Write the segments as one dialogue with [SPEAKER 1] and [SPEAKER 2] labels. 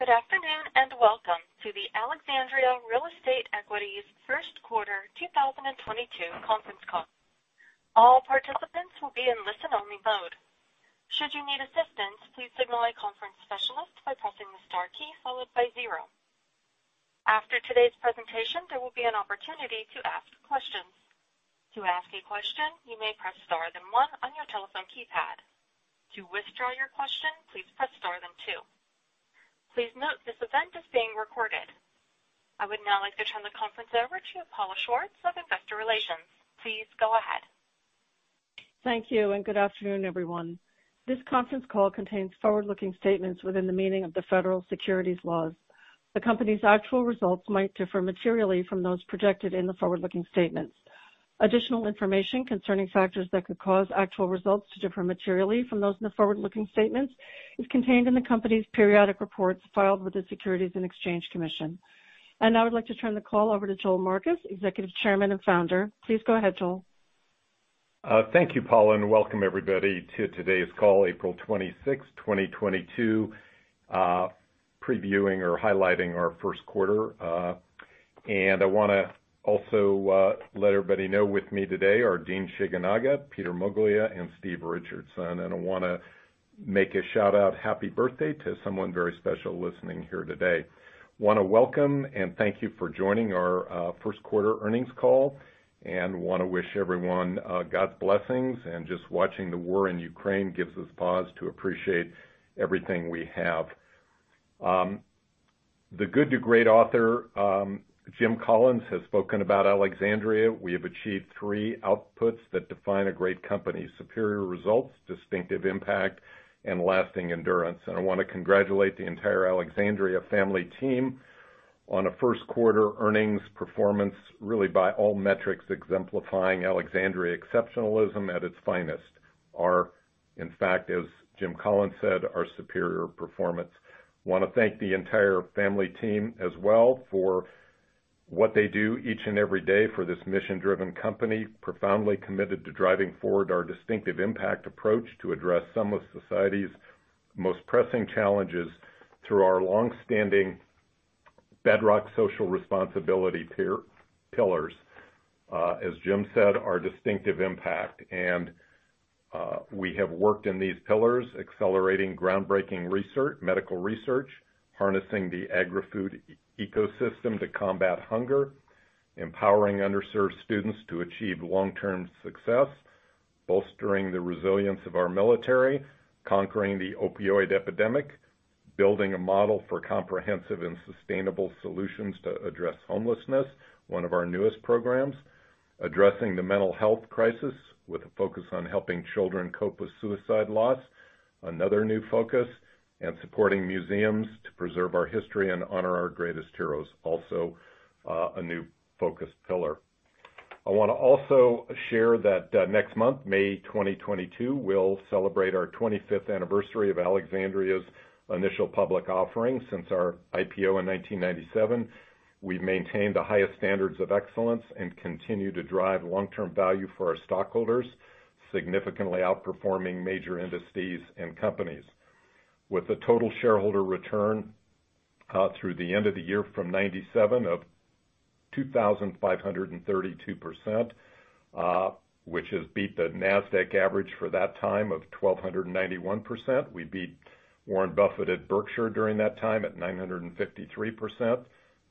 [SPEAKER 1] Good afternoon, and welcome to the Alexandria Real Estate Equities first quarter 2022 conference call. All participants will be in listen-only mode. Should you need assistance, please signal a conference specialist by pressing the star key followed by zero. After today's presentation, there will be an opportunity to ask questions. To ask a question, you may press star then one on your telephone keypad. To withdraw your question, please press star then two. Please note this event is being recorded. I would now like to turn the conference over to Paula Schwartz of Investor Relations. Please go ahead.
[SPEAKER 2] Thank you, and good afternoon, everyone. This conference call contains forward-looking statements within the meaning of the federal securities laws. The company's actual results might differ materially from those projected in the forward-looking statements. Additional information concerning factors that could cause actual results to differ materially from those in the forward-looking statements is contained in the company's periodic reports filed with the Securities and Exchange Commission. Now I'd like to turn the call over to Joel Marcus, Executive Chairman and Founder. Please go ahead, Joel.
[SPEAKER 3] Thank you, Paula, and welcome everybody to today's call, April 26, 2022, previewing or highlighting our first quarter. I want to also let everybody know with me today are Dean Shigenaga, Peter Moglia, and Steve Richardson. I want to make a shout-out, happy birthday to someone very special listening here today. I want to welcome and thank you for joining our first quarter earnings call. I want to wish everyone God's blessings and just watching the war in Ukraine gives us pause to appreciate everything we have. The Good to Great author, Jim Collins, has spoken about Alexandria. We have achieved three outputs that define a great company. Superior results, distinctive impact, and lasting endurance. I want to congratulate the entire Alexandria family team on a first quarter earnings performance, really by all metrics exemplifying Alexandria exceptionalism at its finest. In fact, as Jim Collins said, our superior performance. Wanna thank the entire family team as well for what they do each and every day for this mission-driven company, profoundly committed to driving forward our distinctive impact approach to address some of society's most pressing challenges through our long-standing bedrock social responsibility pillars. As Jim said, our distinctive impact, and we have worked in these pillars, accelerating groundbreaking research, medical research, harnessing the agri-food ecosystem to combat hunger, empowering underserved students to achieve long-term success, bolstering the resilience of our military, conquering the opioid epidemic, building a model for comprehensive and sustainable solutions to address homelessness, one of our newest programs, addressing the mental health crisis with a focus on helping children cope with suicide loss, another new focus, and supporting museums to preserve our history and honor our greatest heroes, also a new focus pillar. I wanna also share that next month, May 2022, we'll celebrate our 25th anniversary of Alexandria's initial public offering. Since our IPO in 1997, we've maintained the highest standards of excellence and continue to drive long-term value for our stockholders, significantly outperforming major industries and companies. With a total shareholder return through the end of the year from 1997 to 2,532%, which has beat the NASDAQ average for that time of 1,291%. We beat Warren Buffett at Berkshire during that time at 953%,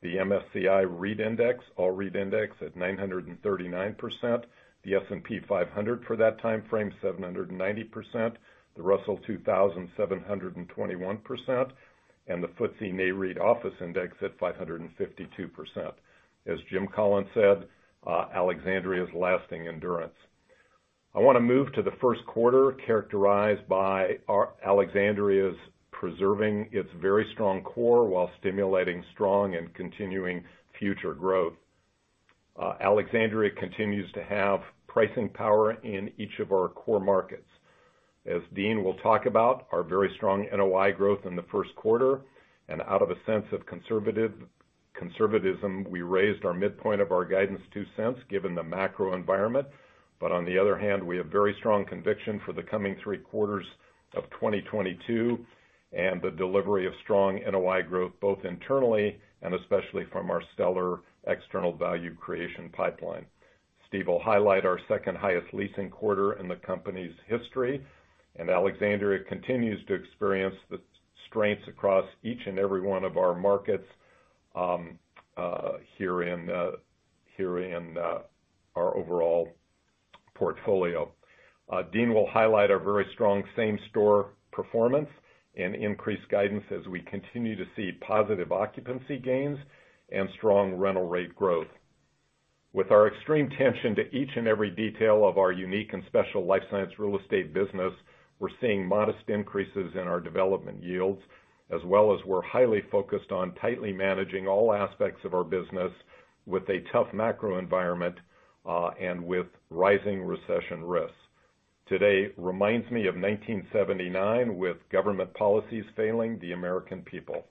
[SPEAKER 3] the MSCI US REIT Index, all REIT index at 939%, the S&P 500 for that timeframe, 790%, the Russell 2000, 721%, and the FTSE Nareit Office Index at 552%. As Jim Collins said, Alexandria's lasting endurance. I wanna move to the first quarter characterized by Alexandria's preserving its very strong core while stimulating strong and continuing future growth. Alexandria continues to have pricing power in each of our core markets. As Dean will talk about our very strong NOI growth in the first quarter and out of a sense of conservatism, we raised our midpoint of our guidance $0.02 given the macro environment. On the other hand, we have very strong conviction for the coming three quarters of 2022 and the delivery of strong NOI growth, both internally and especially from our stellar external value creation pipeline. Steve will highlight our second highest leasing quarter in the company's history, and Alexandria continues to experience the strengths across each and every one of our markets here in our overall portfolio. Dean will highlight our very strong same-store performance and increased guidance as we continue to see positive occupancy gains and strong rental rate growth. With our extreme attention to each and every detail of our unique and special life science real estate business, we're seeing modest increases in our development yields, as well as we're highly focused on tightly managing all aspects of our business with a tough macro environment, and with rising recession risks. Today reminds me of 1979 with government policies failing the American people.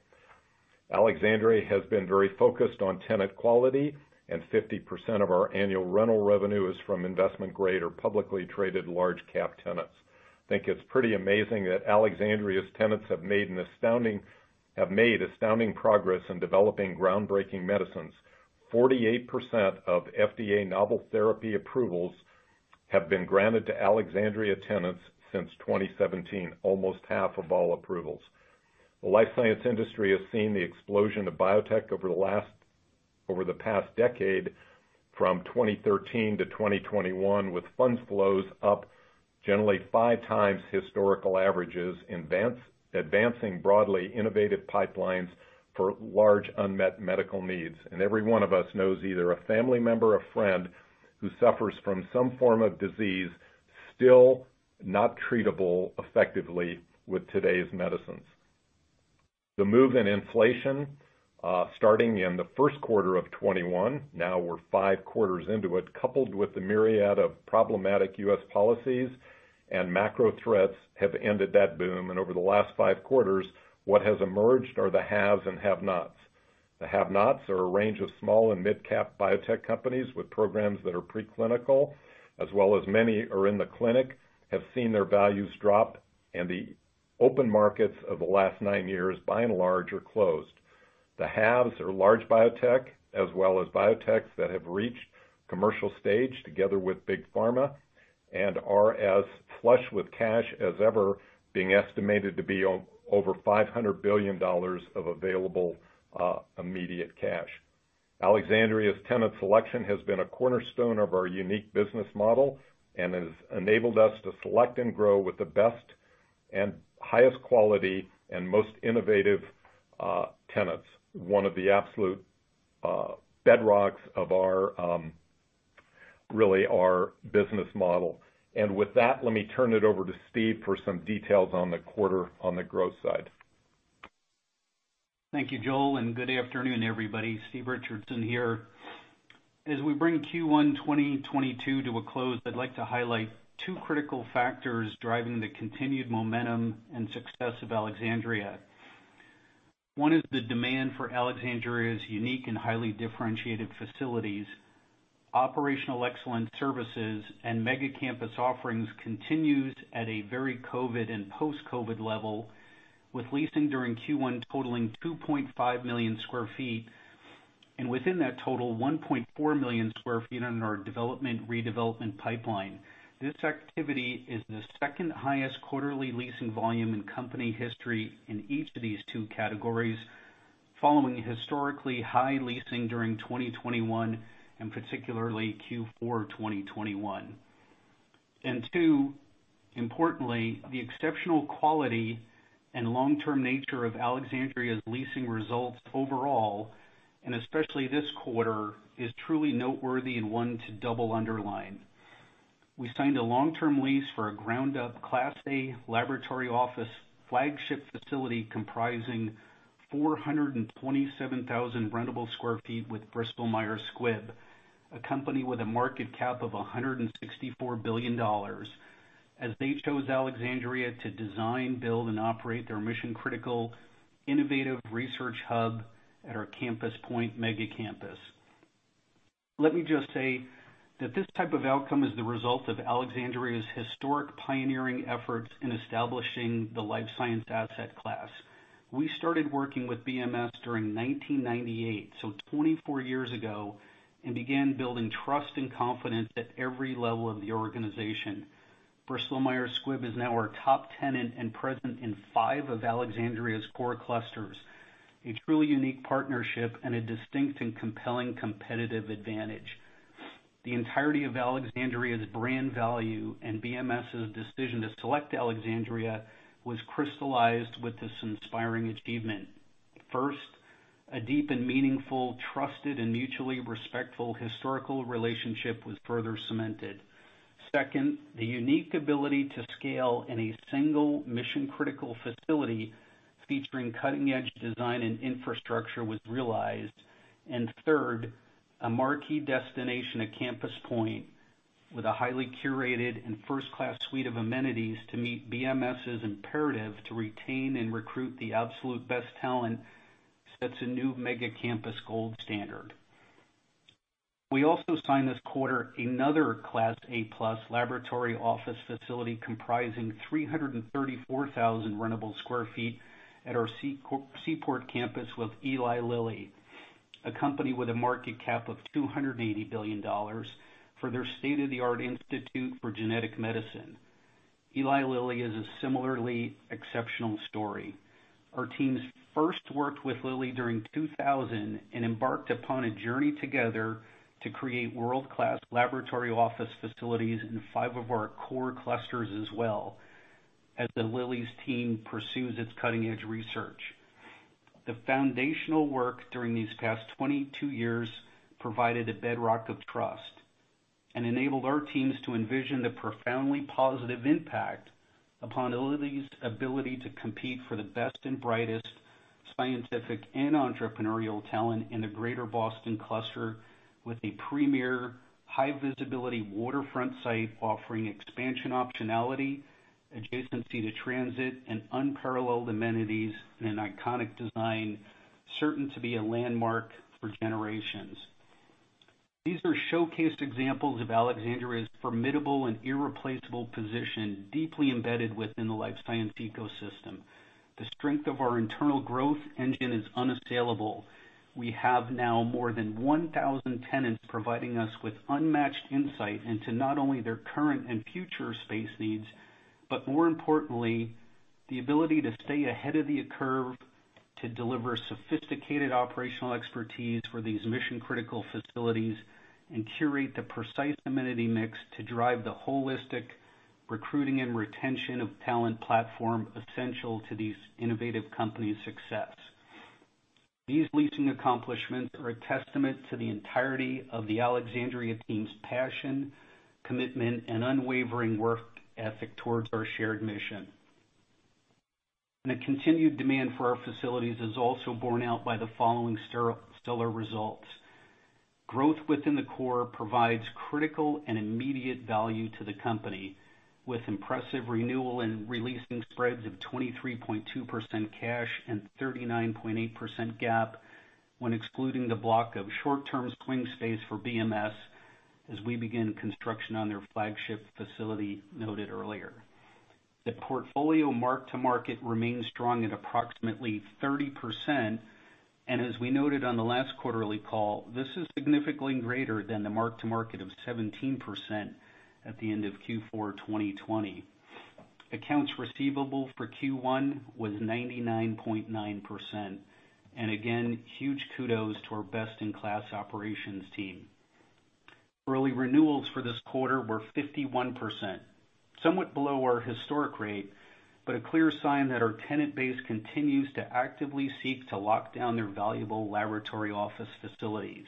[SPEAKER 3] Alexandria has been very focused on tenant quality, and 50% of our annual rental revenue is from investment grade or publicly traded large cap tenants. I think it's pretty amazing that Alexandria's tenants have made astounding progress in developing groundbreaking medicines. 48% of FDA novel therapy approvals have been granted to Alexandria tenants since 2017, almost half of all approvals. The life science industry has seen the explosion of biotech over the past decade, from 2013 to 2021, with funds flows up generally 5x historical averages, advancing broadly innovative pipelines for large unmet medical needs. Every one of us knows either a family member or friend who suffers from some form of disease still not treatable effectively with today's medicines. The move in inflation, starting in the first quarter of 2021, now we're five quarters into it, coupled with the myriad of problematic U.S. policies and macro threats have ended that boom. Over the last five quarters, what has emerged are the haves and have-nots. The have-nots are a range of small and mid-cap biotech companies with programs that are preclinical, as well as many are in the clinic, have seen their values drop, and the open markets of the last nine years, by and large, are closed. The haves are large biotech, as well as biotechs that have reached commercial stage together with big pharma and are as flush with cash as ever being estimated to be over $500 billion of available, immediate cash. Alexandria's tenant selection has been a cornerstone of our unique business model and has enabled us to select and grow with the best and highest quality and most innovative, tenants. One of the absolute bedrocks of our really our business model. With that, let me turn it over to Steve for some details on the quarter on the growth side.
[SPEAKER 4] Thank you, Joel, and good afternoon, everybody. Steve Richardson here. As we bring Q1 2022 to a close, I'd like to highlight two critical factors driving the continued momentum and success of Alexandria. One is the demand for Alexandria's unique and highly differentiated facilities. Operational excellence services and mega campus offerings continues at a very COVID and post-COVID level, with leasing during Q1 totaling 2.5 million sq ft, and within that total, 1.4 million sq ft in our development/redevelopment pipeline. This activity is the second highest quarterly leasing volume in company history in each of these two categories, following historically high leasing during 2021 and particularly Q4 2021. Two, importantly, the exceptional quality and long-term nature of Alexandria's leasing results overall, and especially this quarter, is truly noteworthy and one to double underline. We signed a long-term lease for a ground-up Class A laboratory office flagship facility comprising 427,000 rentable sq ft with Bristol Myers Squibb, a company with a market cap of $164 billion, as they chose Alexandria to design, build, and operate their mission-critical innovative research hub at our CampusPoint mega campus. Let me just say that this type of outcome is the result of Alexandria's historic pioneering efforts in establishing the life science asset class. We started working with BMS during 1998, so 24 years ago, and began building trust and confidence at every level of the organization. Bristol Myers Squibb is now our top tenant and present in 5 of Alexandria's core clusters, a truly unique partnership and a distinct and compelling competitive advantage. The entirety of Alexandria's brand value and BMS's decision to select Alexandria was crystallized with this inspiring achievement. First, a deep and meaningful, trusted, and mutually respectful historical relationship was further cemented. Second, the unique ability to scale in a single mission-critical facility featuring cutting-edge design and infrastructure was realized. Third, a marquee destination at CampusPoint with a highly curated and first-class suite of amenities to meet BMS's imperative to retain and recruit the absolute best talent sets a new mega campus gold standard. We also signed this quarter another Class A+ laboratory office facility comprising 334,000 rentable sq ft at our Seaport campus with Eli Lilly, a company with a market cap of $280 billion for their state-of-the-art Institute for Genetic Medicine. Eli Lilly is a similarly exceptional story. Our teams first worked with Lilly during 2000 and embarked upon a journey together to create world-class laboratory office facilities in five of our core clusters as well as Lilly's team pursues its cutting-edge research. The foundational work during these past 22 years provided a bedrock of trust and enabled our teams to envision the profoundly positive impact upon Lilly's ability to compete for the best and brightest scientific and entrepreneurial talent in the greater Boston cluster with a premier high visibility waterfront site offering expansion optionality, adjacency to transit, and unparalleled amenities in an iconic design certain to be a landmark for generations. These are showcase examples of Alexandria's formidable and irreplaceable position, deeply embedded within the life science ecosystem. The strength of our internal growth engine is unassailable. We have now more than 1,000 tenants providing us with unmatched insight into not only their current and future space needs, but more importantly, the ability to stay ahead of the curve, to deliver sophisticated operational expertise for these mission critical facilities, and curate the precise amenity mix to drive the holistic recruiting and retention of talent platform essential to these innovative companies' success. These leasing accomplishments are a testament to the entirety of the Alexandria team's passion, commitment, and unwavering work ethic towards our shared mission. The continued demand for our facilities is also borne out by the following stellar results. Growth within the core provides critical and immediate value to the company with impressive renewal and releasing spreads of 23.2% cash and 39.8% GAAP, when excluding the block of short term swing space for BMS, as we begin construction on their flagship facility noted earlier. The portfolio mark to market remains strong at approximately 30%, and as we noted on the last quarterly call, this is significantly greater than the mark to market of 17% at the end of Q4 2020. Accounts receivable for Q1 was 99.9%. Again, huge kudos to our best in class operations team. Early renewals for this quarter were 51%, somewhat below our historic rate, but a clear sign that our tenant base continues to actively seek to lock down their valuable laboratory office facilities.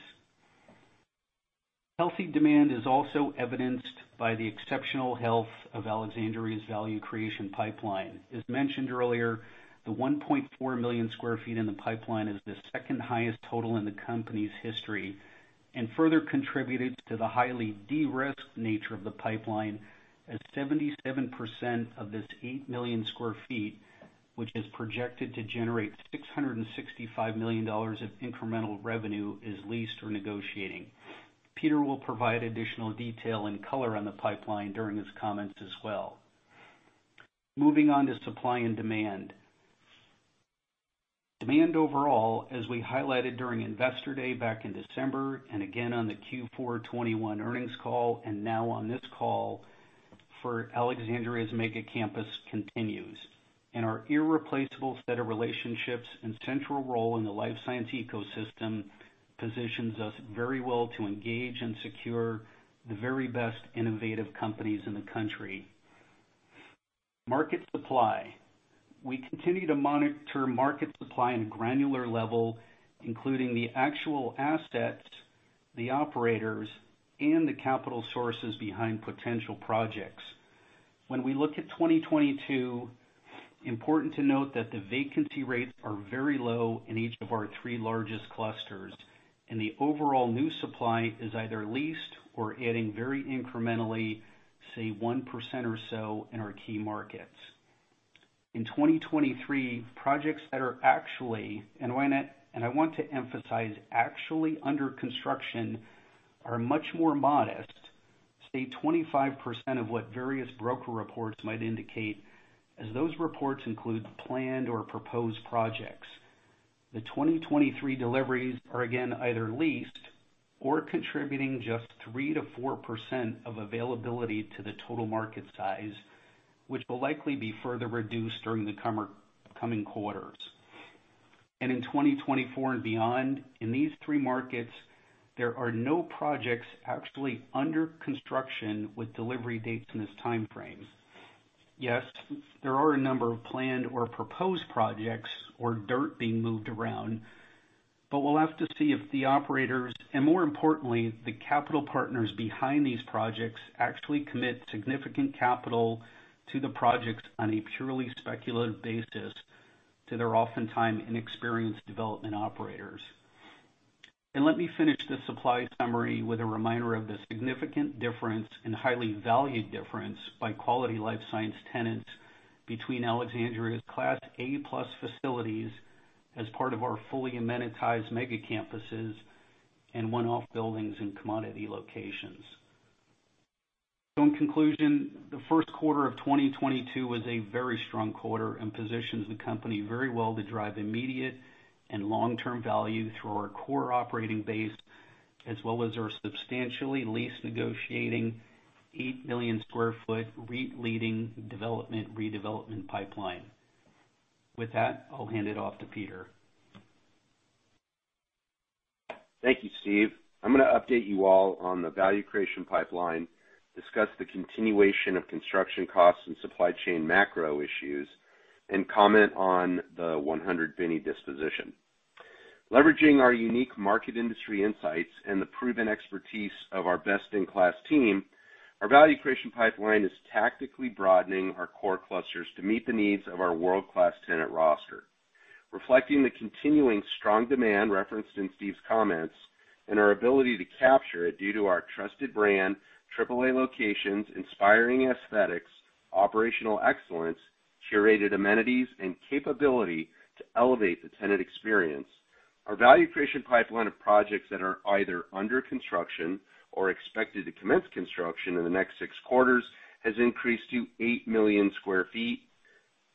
[SPEAKER 4] Healthy demand is also evidenced by the exceptional health of Alexandria's value creation pipeline. As mentioned earlier, the 1.4 million sq ft in the pipeline is the second highest total in the company's history, and further contributed to the highly de-risked nature of the pipeline as 77% of this 8 million sq ft, which is projected to generate $665 million of incremental revenue, is leased or negotiating. Peter will provide additional detail and color on the pipeline during his comments as well. Moving on to supply and demand. Demand overall, as we highlighted during Investor Day back in December and again on the Q4 2021 earnings call, and now on this call for Alexandria's mega campus continues. Our irreplaceable set of relationships and central role in the life science ecosystem positions us very well to engage and secure the very best innovative companies in the country. Market supply. We continue to monitor market supply on a granular level, including the actual assets, the operators, and the capital sources behind potential projects. When we look at 2022, it is important to note that the vacancy rates are very low in each of our three largest clusters, and the overall new supply is either leased or adding very incrementally, say 1% or so in our key markets. In 2023, projects that are actually under construction are much more modest, say 25% of what various broker reports might indicate, as those reports include planned or proposed projects. The 2023 deliveries are again either leased or contributing just 3%-4% of availability to the total market size, which will likely be further reduced during the coming quarters. In 2024 and beyond, in these three markets, there are no projects actually under construction with delivery dates in this timeframe. Yes, there are a number of planned or proposed projects or dirt being moved around, but we'll have to see if the operators, and more importantly, the capital partners behind these projects, actually commit significant capital to the projects on a purely speculative basis to their oftentimes inexperienced development operators. Let me finish this supply summary with a reminder of the significant difference and highly valued difference by quality life science tenants between Alexandria's Class A+ facilities as part of our fully amenitized mega campuses and one-off buildings and commodity locations. In conclusion, the first quarter of 2022 was a very strong quarter and positions the company very well to drive immediate and long-term value through our core operating base, as well as our substantially lease negotiating 8 million sq ft REIT-leading development, redevelopment pipeline. With that, I'll hand it off to Peter.
[SPEAKER 5] Thank you, Steve. I'm gonna update you all on the value creation pipeline, discuss the continuation of construction costs and supply chain macro issues, and comment on the 100 Binney Street disposition. Leveraging our unique market industry insights and the proven expertise of our best in class team, our value creation pipeline is tactically broadening our core clusters to meet the needs of our world-class tenant roster. Reflecting the continuing strong demand referenced in Steve's comments and our ability to capture it due to our trusted brand, AAA locations, inspiring aesthetics, operational excellence, curated amenities and capability to elevate the tenant experience. Our value creation pipeline of projects that are either under construction or expected to commence construction in the next six quarters has increased to 8 million sq ft.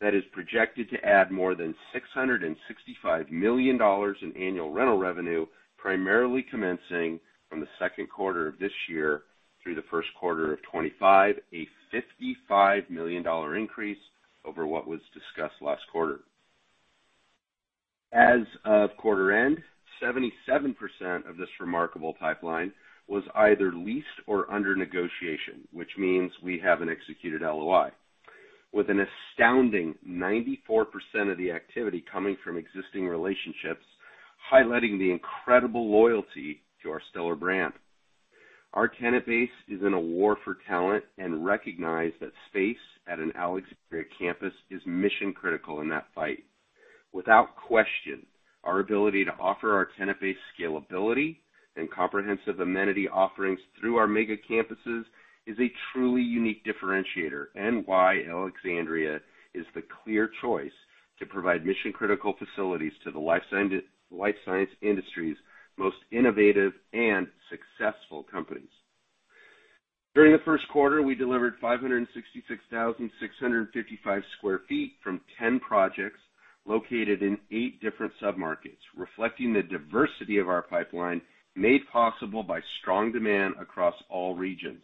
[SPEAKER 5] That is projected to add more than $665 million in annual rental revenue, primarily commencing from the second quarter of this year through the first quarter of 2025, a $55 million increase over what was discussed last quarter. As of quarter end, 77% of this remarkable pipeline was either leased or under negotiation, which means we have an executed LOI. With an astounding 94% of the activity coming from existing relationships, highlighting the incredible loyalty to our stellar brand. Our tenant base is in a war for talent and recognize that space at an Alexandria campus is mission-critical in that fight. Without question, our ability to offer our tenant base scalability and comprehensive amenity offerings through our mega campuses is a truly unique differentiator and why Alexandria is the clear choice to provide mission-critical facilities to the life science industry's most innovative and successful companies. During the first quarter, we delivered 566,655 sq ft from 10 projects located in 8 different submarkets, reflecting the diversity of our pipeline made possible by strong demand across all regions.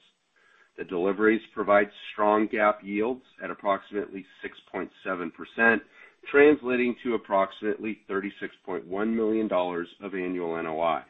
[SPEAKER 5] The deliveries provide strong GAAP yields at approximately 6.7%, translating to approximately $36.1 million of annual NOI.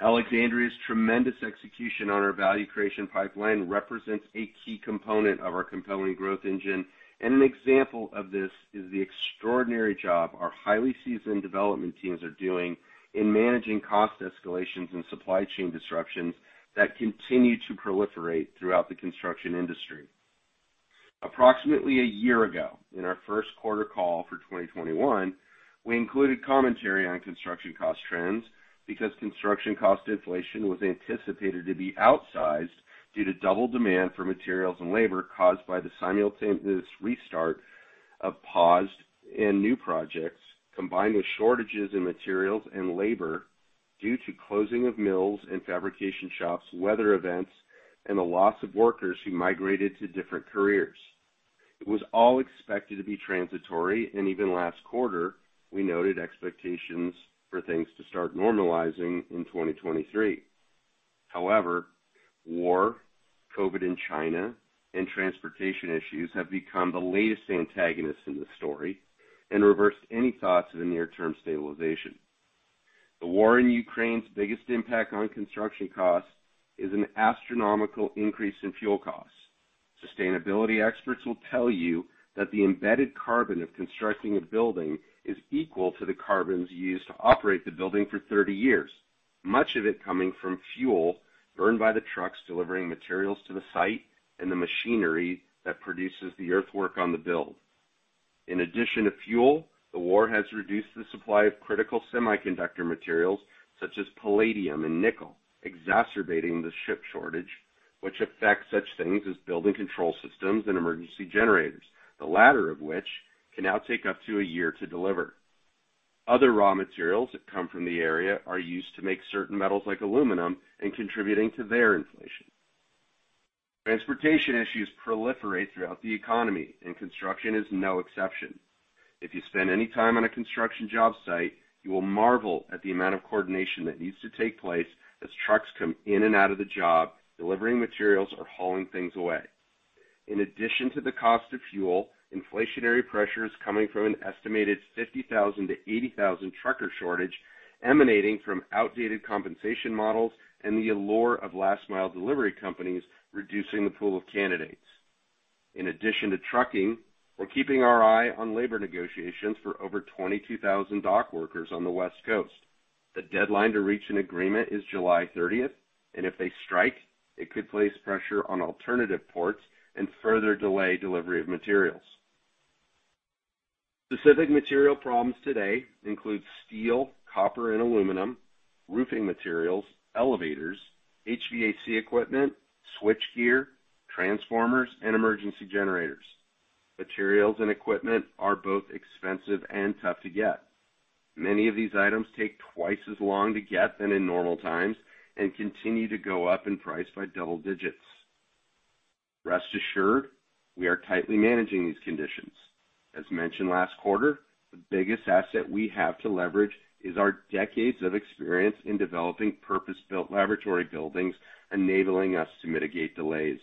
[SPEAKER 5] Alexandria's tremendous execution on our value creation pipeline represents a key component of our compelling growth engine, and an example of this is the extraordinary job our highly seasoned development teams are doing in managing cost escalations and supply chain disruptions that continue to proliferate throughout the construction industry. Approximately a year ago, in our first quarter call for 2021, we included commentary on construction cost trends because construction cost inflation was anticipated to be outsized due to double demand for materials and labor caused by the simultaneous restart of paused and new projects, combined with shortages in materials and labor due to closing of mills and fabrication shops, weather events, and the loss of workers who migrated to different careers. It was all expected to be transitory, and even last quarter, we noted expectations for things to start normalizing in 2023. However, war, COVID in China, and transportation issues have become the latest antagonists in this story and reversed any thoughts of a near-term stabilization. The war in Ukraine's biggest impact on construction costs is an astronomical increase in fuel costs. Sustainability experts will tell you that the embedded carbon of constructing a building is equal to the carbon used to operate the building for thirty years, much of it coming from fuel burned by the trucks delivering materials to the site and the machinery that produces the earthwork on the build. In addition to fuel, the war has reduced the supply of critical semiconductor materials such as palladium and nickel, exacerbating the chip shortage, which affects such things as building control systems and emergency generators, the latter of which can now take up to a year to deliver. Other raw materials that come from the area are used to make certain metals like aluminum and contributing to their inflation. Transportation issues proliferate throughout the economy, and construction is no exception. If you spend any time on a construction job site, you will marvel at the amount of coordination that needs to take place as trucks come in and out of the job, delivering materials or hauling things away. In addition to the cost of fuel, inflationary pressure is coming from an estimated 50,000-80,000 trucker shortage emanating from outdated compensation models and the allure of last mile delivery companies reducing the pool of candidates. In addition to trucking, we're keeping our eye on labor negotiations for over 22,000 dock workers on the West Coast. The deadline to reach an agreement is July 30th, and if they strike, it could place pressure on alternative ports and further delay delivery of materials. Specific material problems today include steel, copper and aluminum, roofing materials, elevators, HVAC equipment, switchgear, transformers, and emergency generators. Materials and equipment are both expensive and tough to get. Many of these items take twice as long to get than in normal times and continue to go up in price by double digits. Rest assured, we are tightly managing these conditions. As mentioned last quarter, the biggest asset we have to leverage is our decades of experience in developing purpose-built laboratory buildings, enabling us to mitigate delays.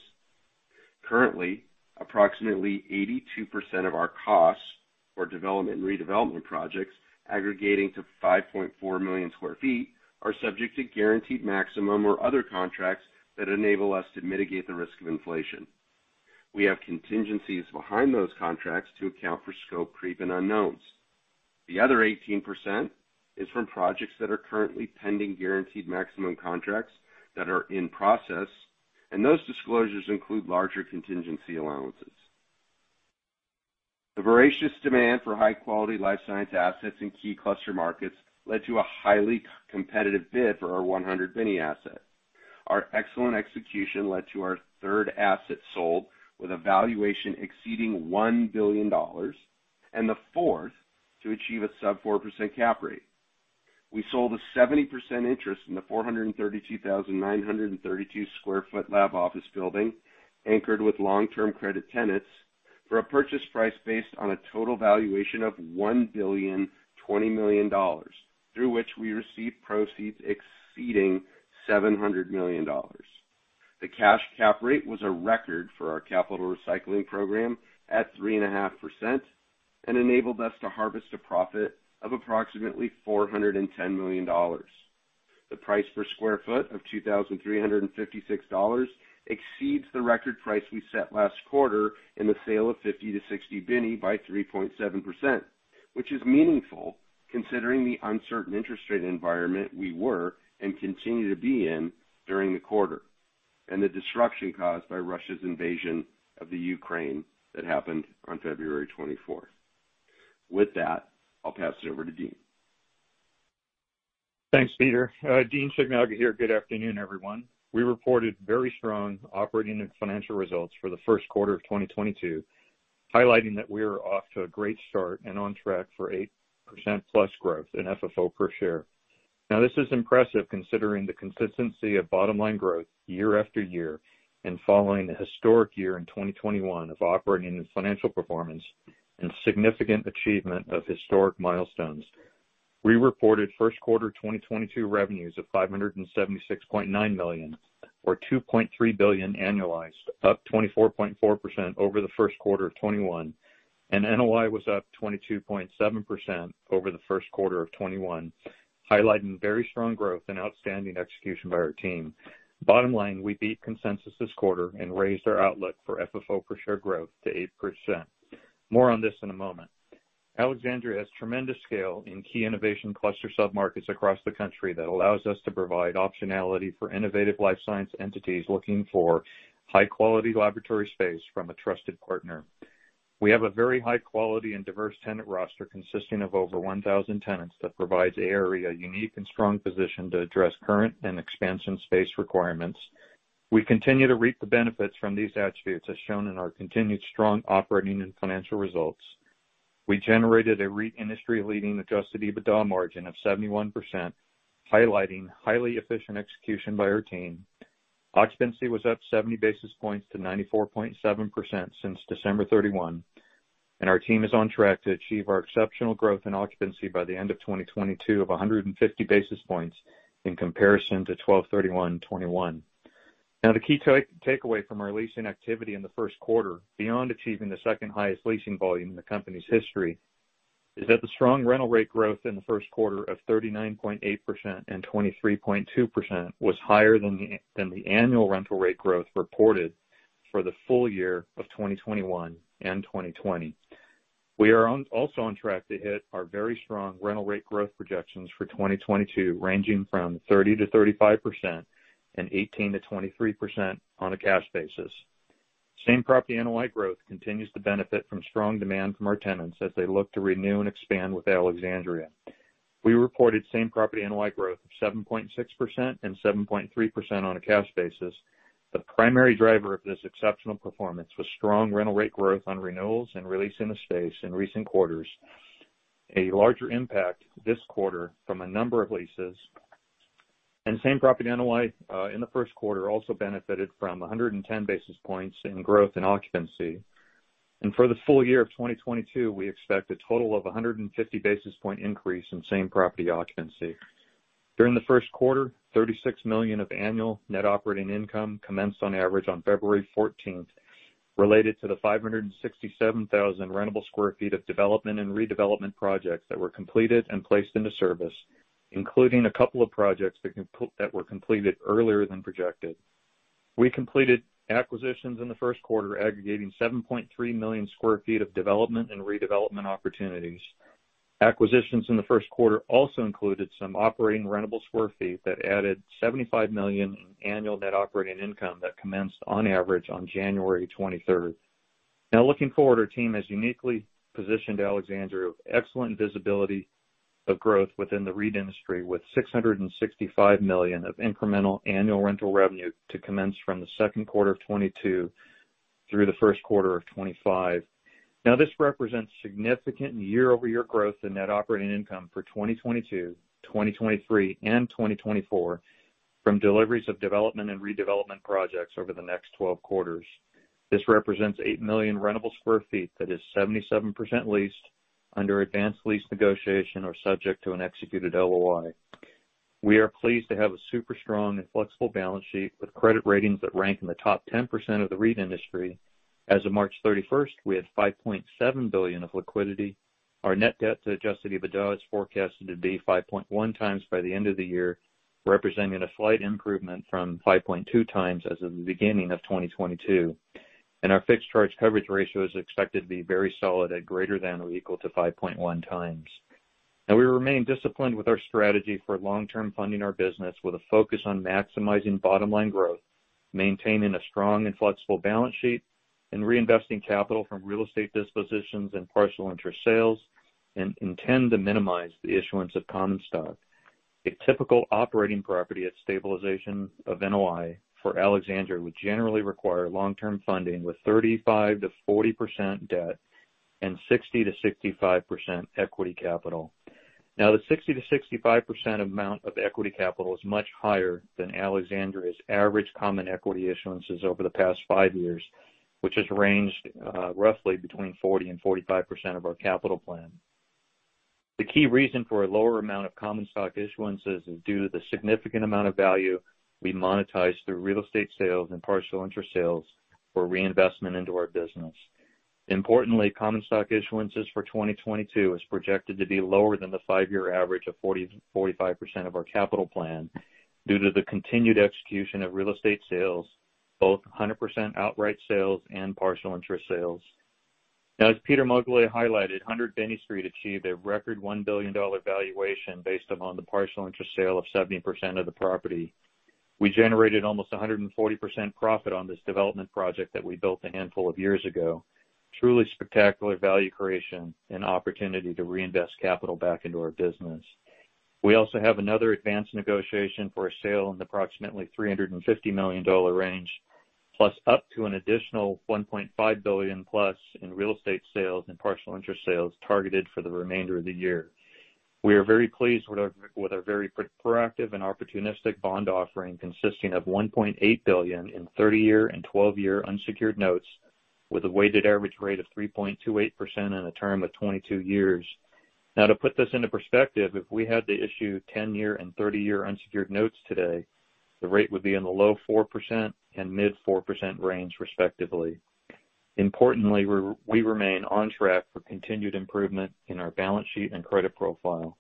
[SPEAKER 5] Currently, approximately 82% of our costs for development and redevelopment projects aggregating to 5.4 million sq ft are subject to guaranteed maximum or other contracts that enable us to mitigate the risk of inflation. We have contingencies behind those contracts to account for scope creep and unknowns. The other 18% is from projects that are currently pending guaranteed maximum contracts that are in process, and those disclosures include larger contingency allowances. The voracious demand for high quality life science assets in key cluster markets led to a highly competitive bid for our 100 Binney Street asset. Our excellent execution led to our third asset sold with a valuation exceeding $1 billion and the fourth to achieve a sub-4% cap rate. We sold a 70% interest in the 432,932 sq ft lab office building, anchored with long-term credit tenants for a purchase price based on a total valuation of $1.02 billion, through which we received proceeds exceeding $700 million. The cash cap rate was a record for our capital recycling program at 3.5% and enabled us to harvest a profit of approximately $410 million. The price per square foot of $2,356 exceeds the record price we set last quarter in the sale of 50-60 Binney by 3.7%, which is meaningful considering the uncertain interest rate environment we were and continue to be in during the quarter, and the disruption caused by Russia's invasion of Ukraine that happened on February 24. With that, I'll pass it over to Dean.
[SPEAKER 6] Thanks, Peter. Dean Shigenaga here. Good afternoon, everyone. We reported very strong operating and financial results for the first quarter of 2022, highlighting that we are off to a great start and on track for 8%+ growth in FFO per share. Now this is impressive considering the consistency of bottom line growth year after year and following a historic year in 2021 of operating and financial performance and significant achievement of historic milestones. We reported first quarter 2022 revenues of $576.9 million or $2.3 billion annualized, up 24.4% over the first quarter of 2021, and NOI was up 22.7% over the first quarter of 2021, highlighting very strong growth and outstanding execution by our team. Bottom line, we beat consensus this quarter and raised our outlook for FFO per share growth to 8%. More on this in a moment. Alexandria has tremendous scale in key innovation cluster submarkets across the country that allows us to provide optionality for innovative life science entities looking for high quality laboratory space from a trusted partner. We have a very high quality and diverse tenant roster consisting of over 1,000 tenants that provides us a unique and strong position to address current and expansion space requirements. We continue to reap the benefits from these attributes as shown in our continued strong operating and financial results. We generated a REIT industry leading adjusted EBITDA margin of 71%, highlighting highly efficient execution by our team. Occupancy was up 70 basis points to 94.7% since December 31, and our team is on track to achieve our exceptional growth in occupancy by the end of 2022 of 150 basis points in comparison to December 31, 2021. Now the key takeaway from our leasing activity in the first quarter, beyond achieving the second highest leasing volume in the company's history, is that the strong rental rate growth in the first quarter of 39.8% and 23.2% was higher than the annual rental rate growth reported for the full year of 2021 and 2020. We are also on track to hit our very strong rental rate growth projections for 2022, ranging from 30%-35% and 18%-23% on a cash basis. Same property NOI growth continues to benefit from strong demand from our tenants as they look to renew and expand with Alexandria. We reported same property NOI growth of 7.6% and 7.3% on a cash basis. The primary driver of this exceptional performance was strong rental rate growth on renewals and releasing the space in recent quarters. A larger impact this quarter from a number of leases and same property NOI in the first quarter also benefited from 110 basis points in growth in occupancy. For the full year of 2022, we expect a total of 150 basis point increase in same property occupancy. During the first quarter, $36 million of annual net operating income commenced on average on February 14, related to the 567,000 rentable sq ft of development and redevelopment projects that were completed and placed into service, including a couple of projects that were completed earlier than projected. We completed acquisitions in the first quarter aggregating 7.3 million sq ft of development and redevelopment opportunities. Acquisitions in the first quarter also included some operating rentable sq ft that added $75 million in annual net operating income that commenced on average on January 23. Now looking forward, our team has uniquely positioned Alexandria with excellent visibility of growth within the REIT industry, with $665 million of incremental annual rental revenue to commence from the second quarter of 2022 through the first quarter of 2025. This represents significant year-over-year growth in net operating income for 2022, 2023, and 2024 from deliveries of development and redevelopment projects over the next 12 quarters. This represents 8 million rentable sq ft that is 77% leased under advanced lease negotiation or subject to an executed LOI. We are pleased to have a super strong and flexible balance sheet with credit ratings that rank in the top 10% of the REIT industry. As of March 31, we had $5.7 billion of liquidity. Our net debt to adjusted EBITDA is forecasted to be 5.1x by the end of the year, representing a slight improvement from 5.2x as of the beginning of 2022. Our fixed charge coverage ratio is expected to be very solid at greater than or equal to 5.1x. We remain disciplined with our strategy for long-term funding our business with a focus on maximizing bottom line growth, maintaining a strong and flexible balance sheet, and reinvesting capital from real estate dispositions and partial interest sales, and intend to minimize the issuance of common stock. A typical operating property at stabilization of NOI for Alexandria would generally require long-term funding with 35%-40% debt and 60%-65% equity capital. Now, the 60%-65% amount of equity capital is much higher than Alexandria's average common equity issuances over the past 5 years, which has ranged roughly between 40%-45% of our capital plan. The key reason for a lower amount of common stock issuances is due to the significant amount of value we monetize through real estate sales and partial interest sales for reinvestment into our business. Importantly, common stock issuances for 2022 is projected to be lower than the five-year average of 40%-45% of our capital plan due to the continued execution of real estate sales, both 100% outright sales and partial interest sales. Now, as Peter Moglia highlighted, 100 Binney Street achieved a record $1 billion valuation based upon the partial interest sale of 70% of the property. We generated almost 140% profit on this development project that we built a handful of years ago. Truly spectacular value creation and opportunity to reinvest capital back into our business. We also have another advanced negotiation for a sale in approximately $350 million range, plus up to an additional $1.5+ billion in real estate sales and partial interest sales targeted for the remainder of the year. We are very pleased with our very proactive and opportunistic bond offering, consisting of $1.8 billion in 30-year and 12-year unsecured notes with a weighted average rate of 3.28% and a term of 22 years. Now, to put this into perspective, if we had to issue 10-year and 30-year unsecured notes today, the rate would be in the low 4% and mid-4% range respectively. Importantly, we remain on track for continued improvement in our balance sheet and credit profile.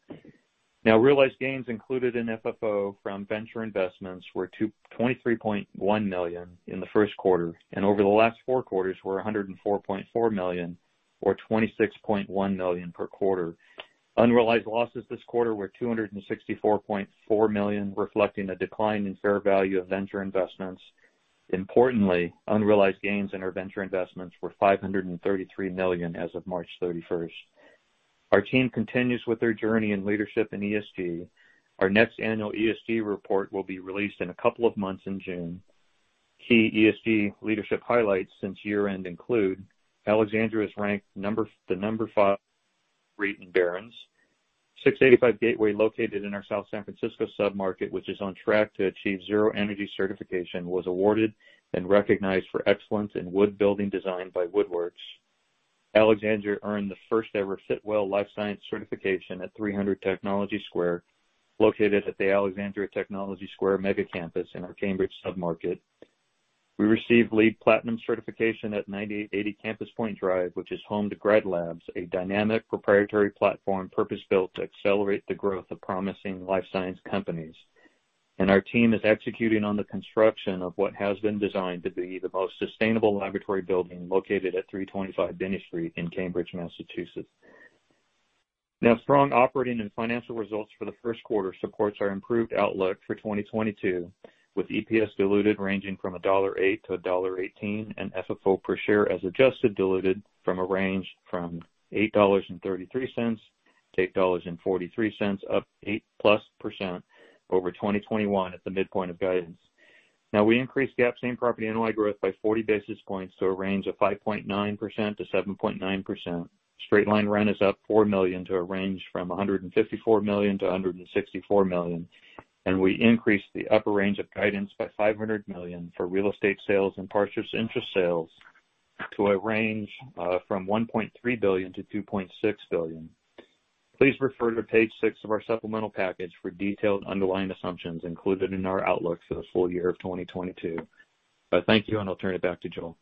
[SPEAKER 6] Now, realized gains included in FFO from venture investments were $23.1 million in the first quarter and over the last four quarters were $104.4 million or $26.1 million per quarter. Unrealized losses this quarter were $264.4 million, reflecting a decline in fair value of venture investments. Importantly, unrealized gains in our venture investments were $533 million as of March thirty-first. Our team continues with their journey in leadership in ESG. Our next annual ESG report will be released in a couple of months in June. Key ESG leadership highlights since year end include Alexandria ranked number five REIT in Barron's. 685 Gateway located in our South San Francisco submarket, which is on track to achieve zero energy certification, was awarded and recognized for excellence in wood building design by WoodWorks. Alexandria earned the first ever Fitwel Life Science certification at 300 Technology Square, located at the Alexandria Technology Square mega campus in our Cambridge submarket. We received LEED Platinum certification at 9880 Campus Point Drive, which is home to GradLabs, a dynamic proprietary platform purpose built to accelerate the growth of promising life science companies. Our team is executing on the construction of what has been designed to be the most sustainable laboratory building located at 325 Binney Street in Cambridge, Massachusetts. Strong operating and financial results for the first quarter supports our improved outlook for 2022, with EPS diluted ranging from $1.08 to $1.18 and FFO per share as adjusted diluted from a range from $8.33 to $8.43, up 8%+ over 2021 at the midpoint of guidance. We increased GAAP same-property NOI growth by 40 basis points to a range of 5.9%-7.9%. Straight-line rent is up $4 million to a range from $154 million to $164 million. We increased the upper range of guidance by $500 million for real estate sales and partial interest sales to a range from $1.3 billion to $2.6 billion. Please refer to page 6 of our supplemental package for detailed underlying assumptions included in our outlook for the full year of 2022. Thank you, and I'll turn it back to Joel.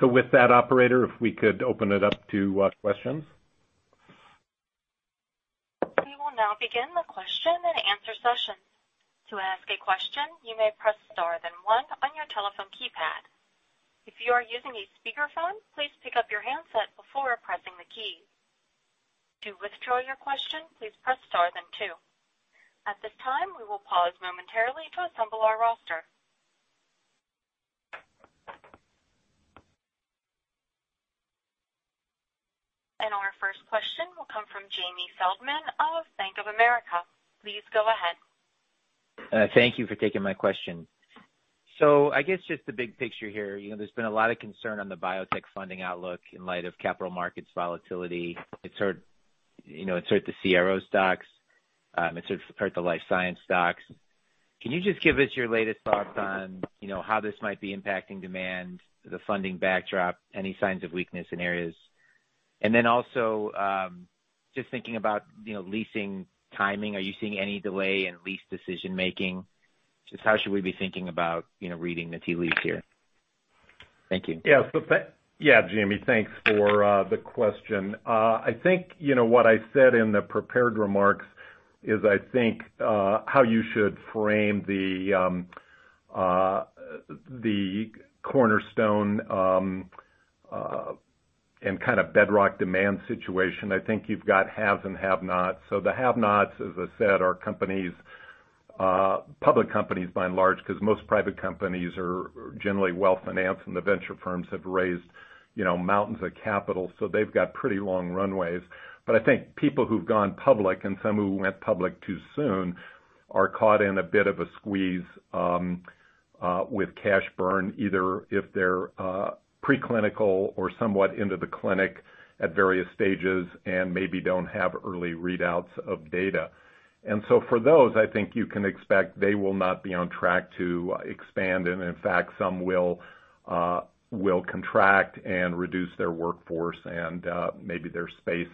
[SPEAKER 3] With that, operator, if we could open it up to questions.
[SPEAKER 1] We will now begin the question and answer session. To ask a question, you may press star then one on your telephone keypad. If you are using a speakerphone, please pick up your handset before pressing the key. To withdraw your question, please press star then two. At this time, we will pause momentarily to assemble our roster. Our first question will come from Jamie Feldman of Bank of America. Please go ahead.
[SPEAKER 7] Thank you for taking my question. I guess just the big picture here. You know, there's been a lot of concern on the biotech funding outlook in light of capital markets volatility. It's hurt, you know, it's hurt the CRO stocks, it's hurt the life science stocks. Can you just give us your latest thoughts on, you know, how this might be impacting demand, the funding backdrop, any signs of weakness in areas? Also, just thinking about, you know, leasing timing. Are you seeing any delay in lease decision making? Just how should we be thinking about, you know, reading the tea leaves here? Thank you.
[SPEAKER 3] Yeah, Jamie, thanks for the question. I think, you know, what I said in the prepared remarks is I think how you should frame the cornerstone and kind of bedrock demand situation. I think you've got haves and have-nots. The have-nots, as I said, are companies, public companies by and large, because most private companies are generally well-financed, and the venture firms have raised, you know, mountains of capital, so they've got pretty long runways. I think people who've gone public and some who went public too soon are caught in a bit of a squeeze with cash burn, either if they're preclinical or somewhat into the clinic at various stages and maybe don't have early readouts of data. For those, I think you can expect they will not be on track to expand. In fact, some will contract and reduce their workforce and maybe their space.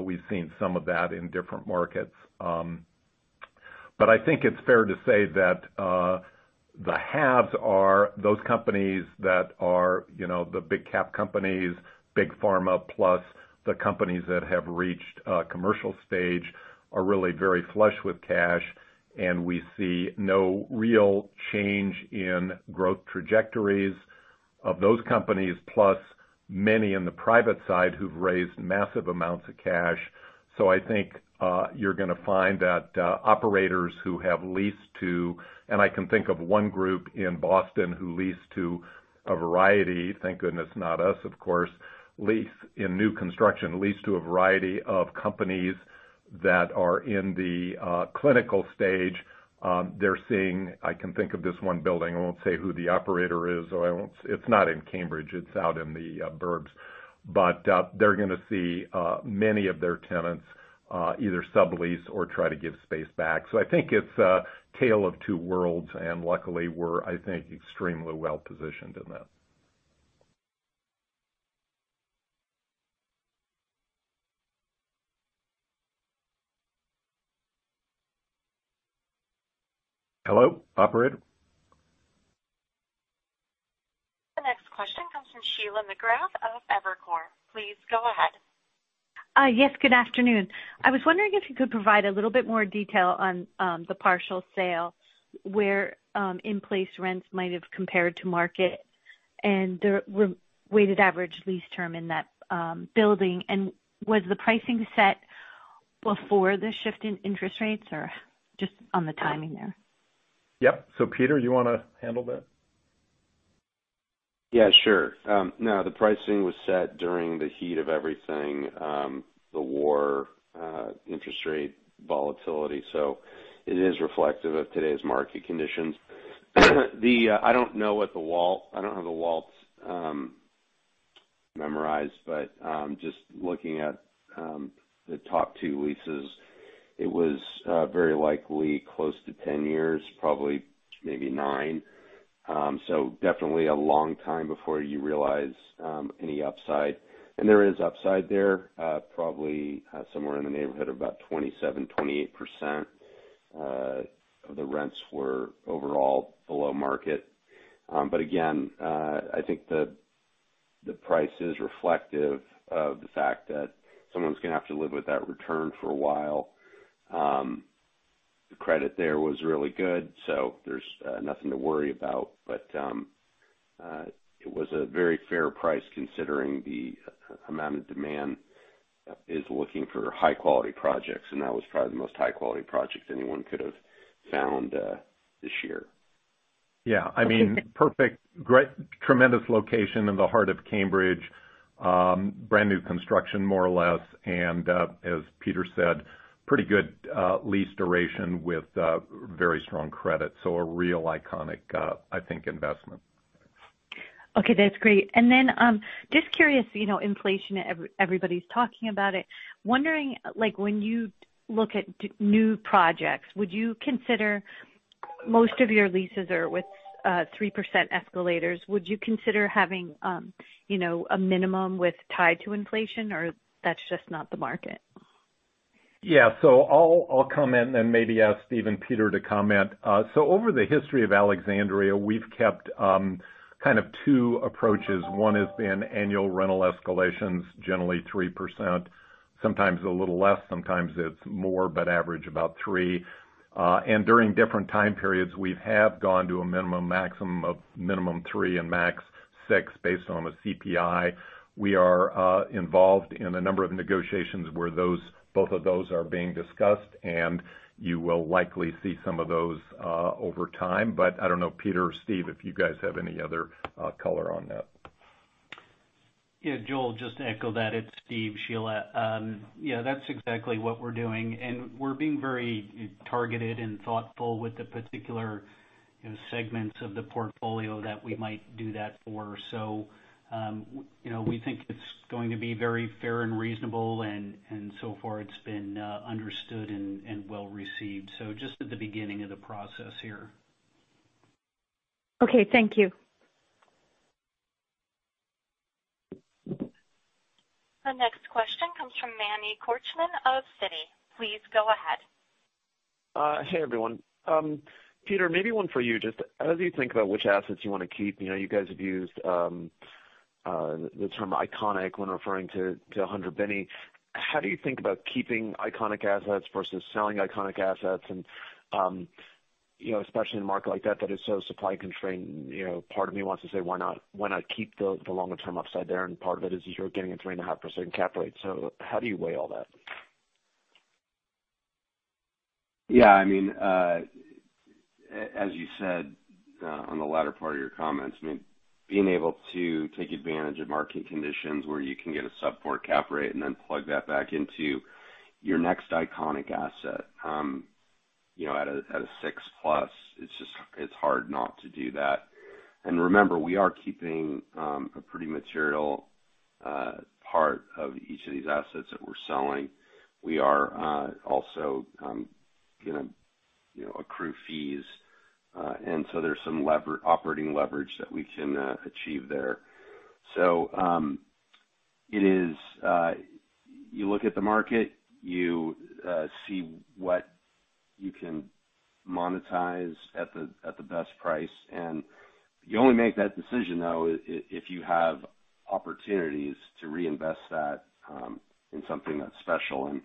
[SPEAKER 3] We've seen some of that in different markets. But I think it's fair to say that the haves are those companies that are, you know, the big cap companies, big pharma, plus the companies that have reached commercial stage are really very flush with cash, and we see no real change in growth trajectories of those companies, plus many in the private side who've raised massive amounts of cash. I think you're gonna find that operators who have leased to, and I can think of one group in Boston who leased to a variety, thank goodness, not us, of course, lease in new construction, lease to a variety of companies that are in the clinical stage. They're seeing, I can think of this one building. I won't say who the operator is. It's not in Cambridge, it's out in the 'burbs. They're gonna see many of their tenants either sublease or try to give space back. I think it's a tale of two worlds, and luckily we're, I think, extremely well positioned in this. Hello, operator.
[SPEAKER 1] The next question comes from Sheila McGrath of Evercore. Please go ahead.
[SPEAKER 8] Yes, good afternoon. I was wondering if you could provide a little bit more detail on the partial sale, where in-place rents might have compared to market and the re-weighted average lease term in that building. Was the pricing set before the shift in interest rates, or just on the timing there?
[SPEAKER 3] Yep. Peter, do you wanna handle that?
[SPEAKER 5] Yeah, sure. No, the pricing was set during the heat of everything, the war, interest rate volatility. It is reflective of today's market conditions. I don't have the WALTs memorized, but just looking at the top two leases, it was very likely close to 10 years, probably maybe 9. Definitely a long time before you realize any upside. There is upside there, probably somewhere in the neighborhood of about 27%-28%. The rents were overall below market. Again, I think the price is reflective of the fact that someone's gonna have to live with that return for a while. The credit there was really good, so there's nothing to worry about. It was a very fair price considering the amount of demand that's looking for high quality projects, and that was probably the most high quality project anyone could have found this year.
[SPEAKER 3] Yeah. I mean, perfect, great, tremendous location in the heart of Cambridge. Brand new construction, more or less. As Peter said, pretty good lease duration with very strong credit. A real iconic, I think, investment.
[SPEAKER 8] Okay, that's great. Just curious, you know, inflation, everybody's talking about it. Wondering, like when you look at new projects, would you consider most of your leases are with 3% escalators, would you consider having, you know, a minimum with tied to inflation, or that's just not the market?
[SPEAKER 3] I'll comment and then maybe ask Steve and Peter to comment. Over the history of Alexandria, we've kept kind of two approaches. One has been annual rental escalations, generally 3%, sometimes a little less, sometimes it's more, but average about 3%. During different time periods, we have gone to a minimum and maximum of minimum 3% and max 6% based on the CPI. We are involved in a number of negotiations where those, both of those are being discussed, and you will likely see some of those over time. I don't know, Peter or Steve, if you guys have any other color on that.
[SPEAKER 4] Yeah, Joel, just to echo that. It's Steve, Sheila. Yeah, that's exactly what we're doing, and we're being very targeted and thoughtful with the particular, you know, segments of the portfolio that we might do that for. You know, we think it's going to be very fair and reasonable and so far it's been understood and well received. Just at the beginning of the process here.
[SPEAKER 8] Okay, thank you.
[SPEAKER 1] The next question comes from Manny Korchman of Citi. Please go ahead.
[SPEAKER 9] Hey, everyone. Peter, maybe one for you, just as you think about which assets you wanna keep, you know, you guys have used
[SPEAKER 6] The term iconic when referring to 100 Binney. How do you think about keeping iconic assets versus selling iconic assets? You know, especially in a market like that is so supply constrained, you know, part of me wants to say, why not keep the longer term upside there? Part of it is you're getting a 3.5% cap rate. How do you weigh all that?
[SPEAKER 5] Yeah, I mean, as you said, on the latter part of your comments, I mean, being able to take advantage of market conditions where you can get a sub-4 cap rate and then plug that back into your next iconic asset, you know, at a 6+, it's just hard not to do that. Remember, we are keeping a pretty material part of each of these assets that we're selling. We are also gonna, you know, accrue fees. So there's some operating leverage that we can achieve there. You look at the market, see what you can monetize at the best price. You only make that decision though, if you have opportunities to reinvest that in something that's special.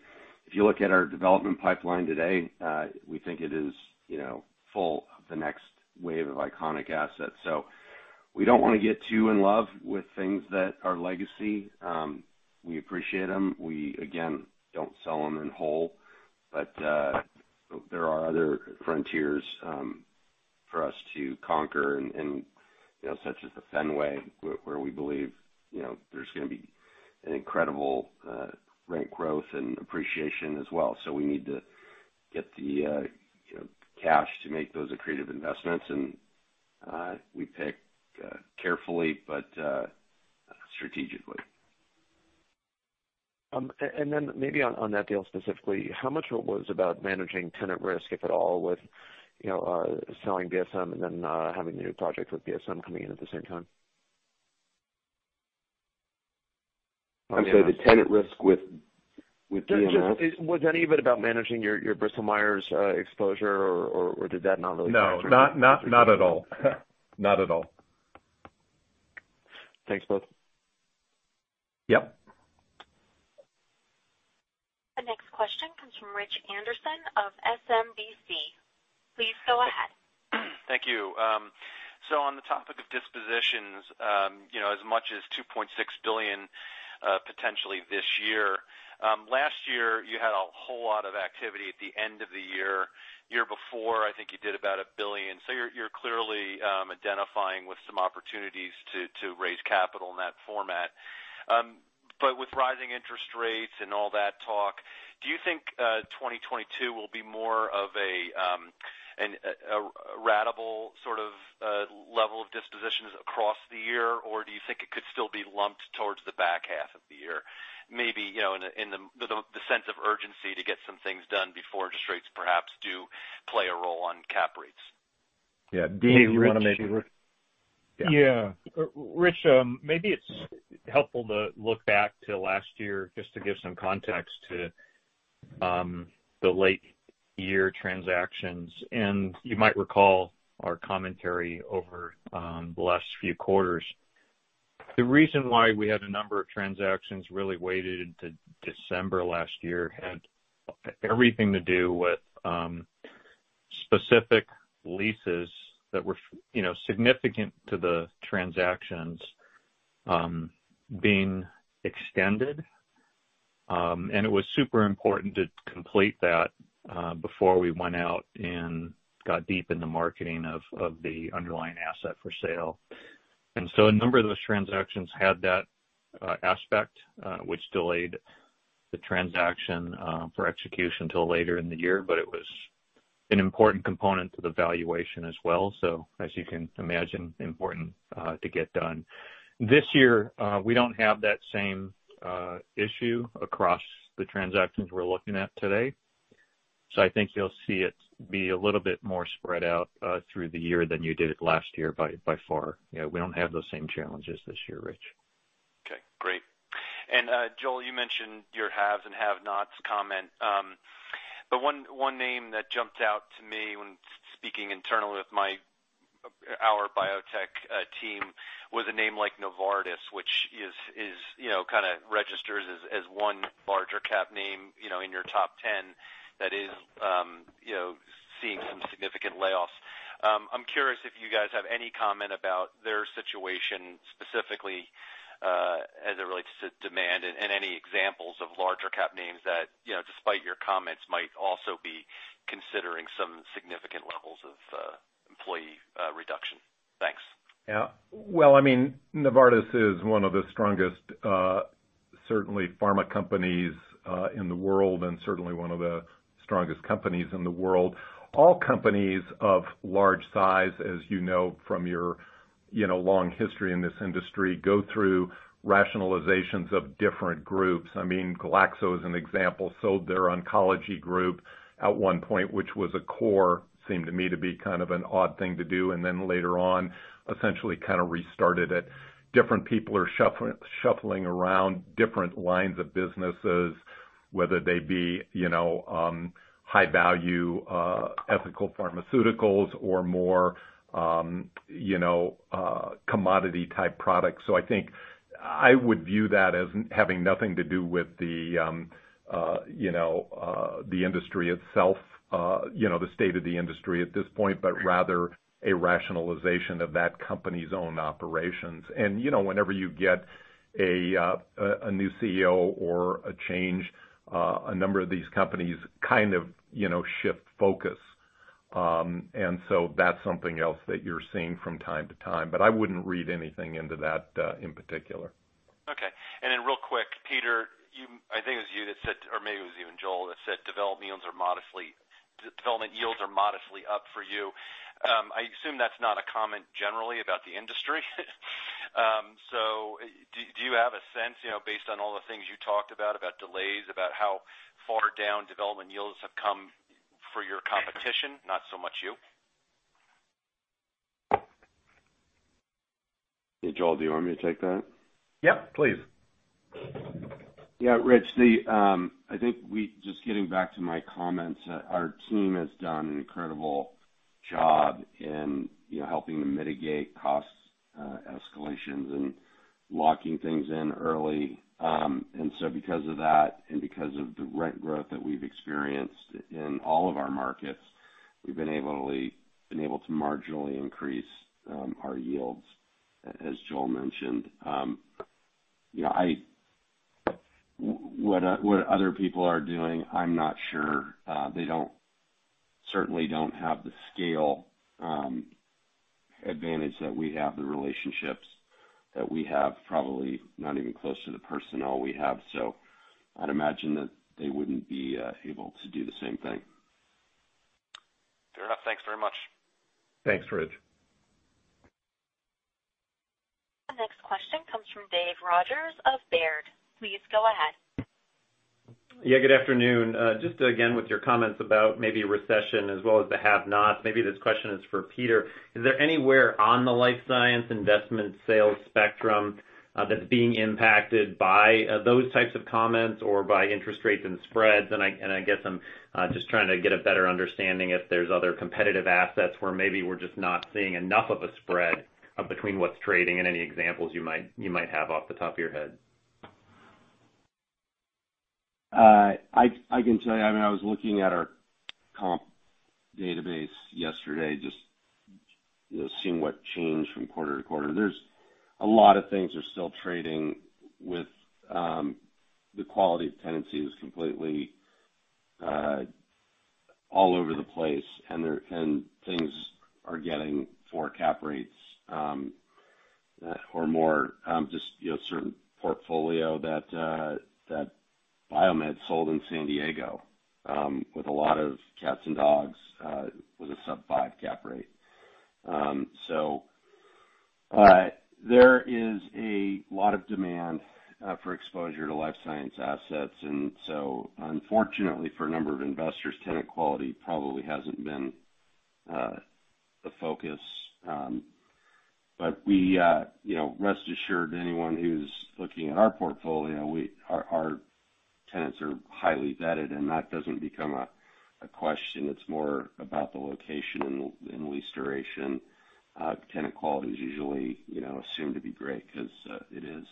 [SPEAKER 5] If you look at our development pipeline today, we think it is, you know, full of the next wave of iconic assets. We don't want to get too in love with things that are legacy. We appreciate them. We, again, don't sell them in whole, but there are other frontiers for us to conquer and, you know, such as the Fenway where we believe, you know, there's gonna be an incredible rent growth and appreciation as well. We need to get the, you know, cash to make those accretive investments. We pick carefully, but strategically.
[SPEAKER 9] Maybe on that deal specifically, how much of it was about managing tenant risk, if at all, with you know, selling BMS and then having the new project with BMS coming in at the same time?
[SPEAKER 5] I'm sorry, the tenant risk with BMS?
[SPEAKER 9] Just, was any of it about managing your Bristol Myers exposure, or did that not really factor into the decision?
[SPEAKER 5] No, not at all. Not at all.
[SPEAKER 9] Thanks both.
[SPEAKER 5] Yep.
[SPEAKER 1] The next question comes from Rich Anderson of SMBC. Please go ahead.
[SPEAKER 10] Thank you. So on the topic of dispositions, you know, as much as $2.6 billion potentially this year. Last year you had a whole lot of activity at the end of the year. Year before, I think you did about $1 billion. So you're clearly identifying with some opportunities to raise capital in that format. But with rising interest rates and all that talk, do you think 2022 will be more of a ratable sort of level of dispositions across the year? Or do you think it could still be lumped towards the back half of the year? Maybe, you know, in the sense of urgency to get some things done before interest rates perhaps do play a role on cap rates.
[SPEAKER 5] Yeah. Do you wanna maybe, Rich?
[SPEAKER 6] Yeah. Rich, maybe it's helpful to look back to last year just to give some context to the late year transactions. You might recall our commentary over the last few quarters. The reason why we had a number of transactions really weighted into December last year had everything to do with specific leases that were you know, significant to the transactions being extended. It was super important to complete that before we went out and got deep in the marketing of the underlying asset for sale. A number of those transactions had that aspect which delayed the transaction for execution till later in the year. It was an important component to the valuation as well. As you can imagine, it was important to get done. This year, we don't have that same issue across the transactions we're looking at today. So I think you'll see it be a little bit more spread out through the year than you did last year by far. You know, we don't have those same challenges this year, Rich.
[SPEAKER 10] Okay, great. Joel, you mentioned your haves and have-nots comment. The one name that jumped out to me when speaking internally with our biotech team was a name like Novartis, which is, you know, kinda registers as one larger cap name, you know, in your top ten that is, you know, seeing some significant layoffs. I'm curious if you guys have any comment about their situation specifically, as it relates to demand and any examples of larger cap names that, you know, despite your comments, might also be considering some significant levels of employee reduction. Thanks.
[SPEAKER 3] Yeah. Well, I mean, Novartis is one of the strongest, certainly pharma companies, in the world, and certainly one of the strongest companies in the world. All companies of large size, as you know from your, you know, long history in this industry, go through rationalizations of different groups. I mean, Glaxo is an example. Sold their oncology group at one point, which was a core, seemed to me to be kind of an odd thing to do, and then later on essentially kinda restarted it. Different people are shuffling around different lines of businesses. Whether they be, you know, high value, ethical pharmaceuticals or more, you know, commodity type products. I think I would view that as having nothing to do with the, you know, the industry itself, you know, the state of the industry at this point, but rather a rationalization of that company's own operations. You know, whenever you get a new CEO or a change, a number of these companies kind of, you know, shift focus. That's something else that you're seeing from time to time. I wouldn't read anything into that in particular.
[SPEAKER 10] Okay. Real quick, Peter, you—I think it was you that said, or maybe it was even Joel, that said development yields are modestly up for you. I assume that's not a comment generally about the industry. Do you have a sense, you know, based on all the things you talked about delays, about how far down development yields have come for your competition, not so much you?
[SPEAKER 5] Hey, Joel, do you want me to take that?
[SPEAKER 3] Yep, please.
[SPEAKER 5] Yeah, Rich, I think just getting back to my comments, our team has done an incredible job in, you know, helping to mitigate costs, escalations and locking things in early. Because of that and because of the rent growth that we've experienced in all of our markets, we've been able to marginally increase our yields, as Joel mentioned. You know, what other people are doing, I'm not sure. They certainly don't have the scale advantage that we have, the relationships that we have, probably not even close to the personnel we have. I'd imagine that they wouldn't be able to do the same thing.
[SPEAKER 10] Fair enough. Thanks very much.
[SPEAKER 3] Thanks, Rich.
[SPEAKER 1] The next question comes from Dave Rodgers of Baird. Please go ahead.
[SPEAKER 11] Yeah, good afternoon. Just again, with your comments about maybe recession as well as the have-nots, maybe this question is for Peter. Is there anywhere on the life science investment sales spectrum that's being impacted by those types of comments or by interest rates and spreads? I guess I'm just trying to get a better understanding if there's other competitive assets where maybe we're just not seeing enough of a spread between what's trading and any examples you might have off the top of your head.
[SPEAKER 5] I can tell you, I mean, I was looking at our comp database yesterday, just, you know, seeing what changed from quarter to quarter. There's a lot of things are still trading with the quality of tenancy is completely all over the place, and things are getting 4 cap rates or more, just, you know, certain portfolio that BioMed sold in San Diego, with a lot of cats and dogs, with a sub-5 cap rate. There is a lot of demand for exposure to life science assets. Unfortunately for a number of investors, tenant quality probably hasn't been the focus. But we, you know, rest assured anyone who's looking at our portfolio, our tenants are highly vetted, and that doesn't become a question. It's more about the location and lease duration. Tenant quality is usually, you know, assumed to be great 'cause it is.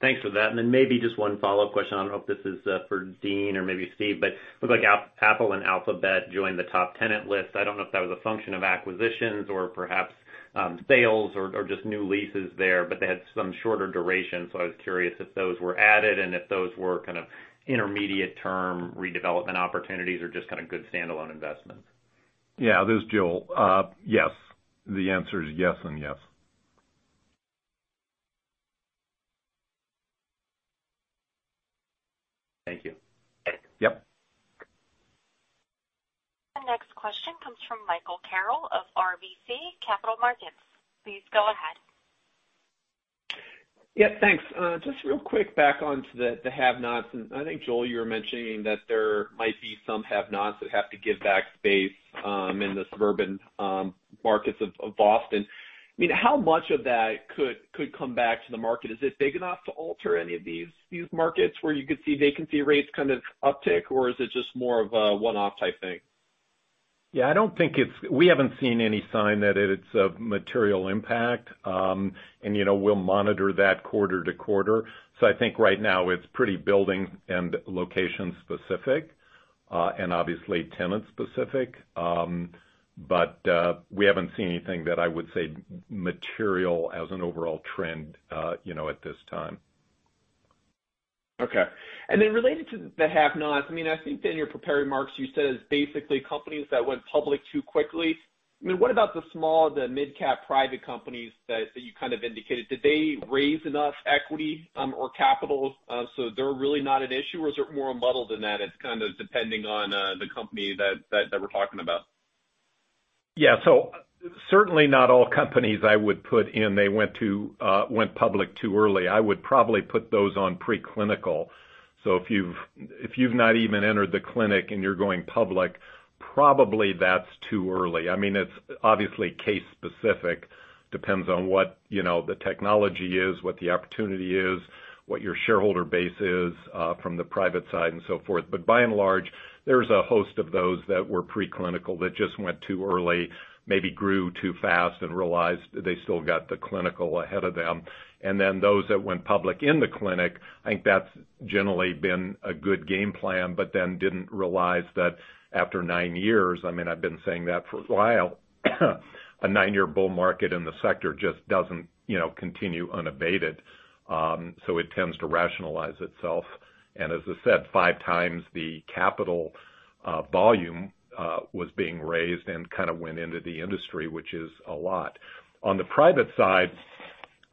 [SPEAKER 11] Thanks for that. Then maybe just one follow-up question. I don't know if this is for Dean or maybe Steve, but looks like Apple and Alphabet joined the top tenant list. I don't know if that was a function of acquisitions or perhaps sales or just new leases there, but they had some shorter duration. I was curious if those were added and if those were kind of intermediate term redevelopment opportunities or just kind of good standalone investments.
[SPEAKER 3] Yeah, this is Joel. Yes. The answer is yes and yes.
[SPEAKER 11] Thank you.
[SPEAKER 3] Yep.
[SPEAKER 1] The next question comes from Michael Carroll of RBC Capital Markets. Please go ahead.
[SPEAKER 12] Yeah, thanks. Just real quick back onto the have-nots. I think, Joel, you were mentioning that there might be some have-nots that have to give back space in the suburban markets of Boston. I mean, how much of that could come back to the market? Is it big enough to alter any of these markets where you could see vacancy rates kind of uptick, or is it just more of a one-off type thing?
[SPEAKER 3] We haven't seen any sign that it's a material impact. You know, we'll monitor that quarter to quarter. I think right now it's pretty building and location specific, and obviously tenant specific. We haven't seen anything that I would say material as an overall trend, you know, at this time.
[SPEAKER 12] Okay. Related to the have-nots, I mean, I think in your prepared remarks, you said it's basically companies that went public too quickly. I mean, what about the small, the midcap private companies that you kind of indicated? Did they raise enough equity or capital so they're really not an issue, or is it more muddled than that, it's kind of depending on the company that we're talking about?
[SPEAKER 3] Certainly not all companies I would put in went public too early. I would probably put those on preclinical. If you've not even entered the clinic and you're going public, probably that's too early. I mean, it's obviously case specific, depends on what, you know, the technology is, what the opportunity is, what your shareholder base is, from the private side and so forth. By and large, there's a host of those that were preclinical that just went too early, maybe grew too fast and realized they still got the clinical ahead of them. Those that went public in the clinic, I think that's generally been a good game plan, but then didn't realize that after nine years, I mean, I've been saying that for a while, a nine-year bull market in the sector just doesn't, you know, continue unabated. So it tends to rationalize itself. As I said, 5x the capital volume was being raised and kind of went into the industry, which is a lot. On the private side,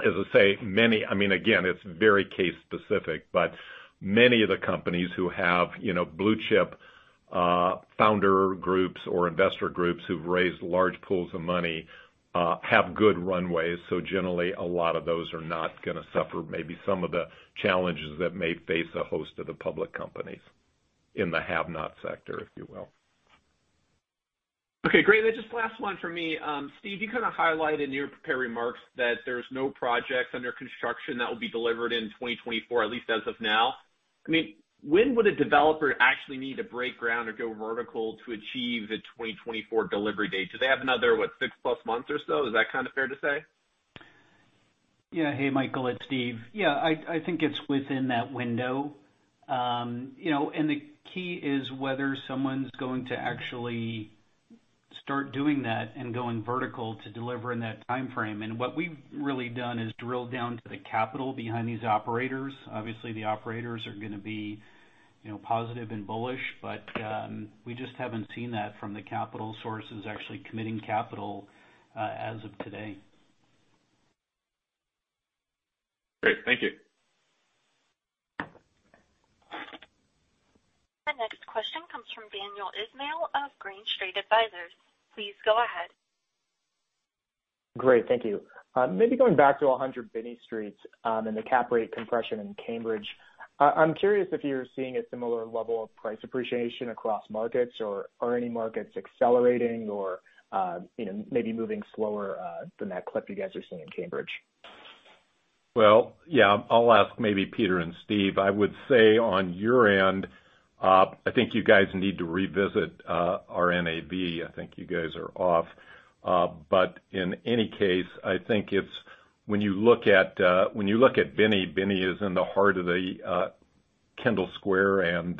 [SPEAKER 3] as I say, many, I mean, again, it's very case specific, but many of the companies who have, you know, blue chip founder groups or investor groups who've raised large pools of money, have good runways. Generally, a lot of those are not gonna suffer maybe some of the challenges that may face a host of the public companies in the have-not sector, if you will.
[SPEAKER 12] Okay, great. Just last one for me. Steve, you kind of highlighted in your prepared remarks that there's no projects under construction that will be delivered in 2024, at least as of now. I mean, when would a developer actually need to break ground or go vertical to achieve the 2024 delivery date? Do they have another, what, six+ months or so? Is that kind of fair to say?
[SPEAKER 4] Hey, Michael, it's Steve. I think it's within that window. You know, the key is whether someone's going to actually start doing that and going vertical to deliver in that timeframe. What we've really done is drill down to the capital behind these operators. Obviously, the operators are gonna be, you know, positive and bullish, but we just haven't seen that from the capital sources actually committing capital as of today.
[SPEAKER 12] Great. Thank you.
[SPEAKER 1] The next question comes from Daniel Ismail of Green Street Advisors. Please go ahead.
[SPEAKER 13] Great. Thank you. Maybe going back to 100 Binney Street, and the cap rate compression in Cambridge. I'm curious if you're seeing a similar level of price appreciation across markets or, are any markets accelerating or, you know, maybe moving slower, than that clip you guys are seeing in Cambridge?
[SPEAKER 3] Well, yeah. I'll ask maybe Peter and Steve. I would say on your end, I think you guys need to revisit our NAV. I think you guys are off. In any case, I think it's when you look at Binney. Binney is in the heart of the Kendall Square and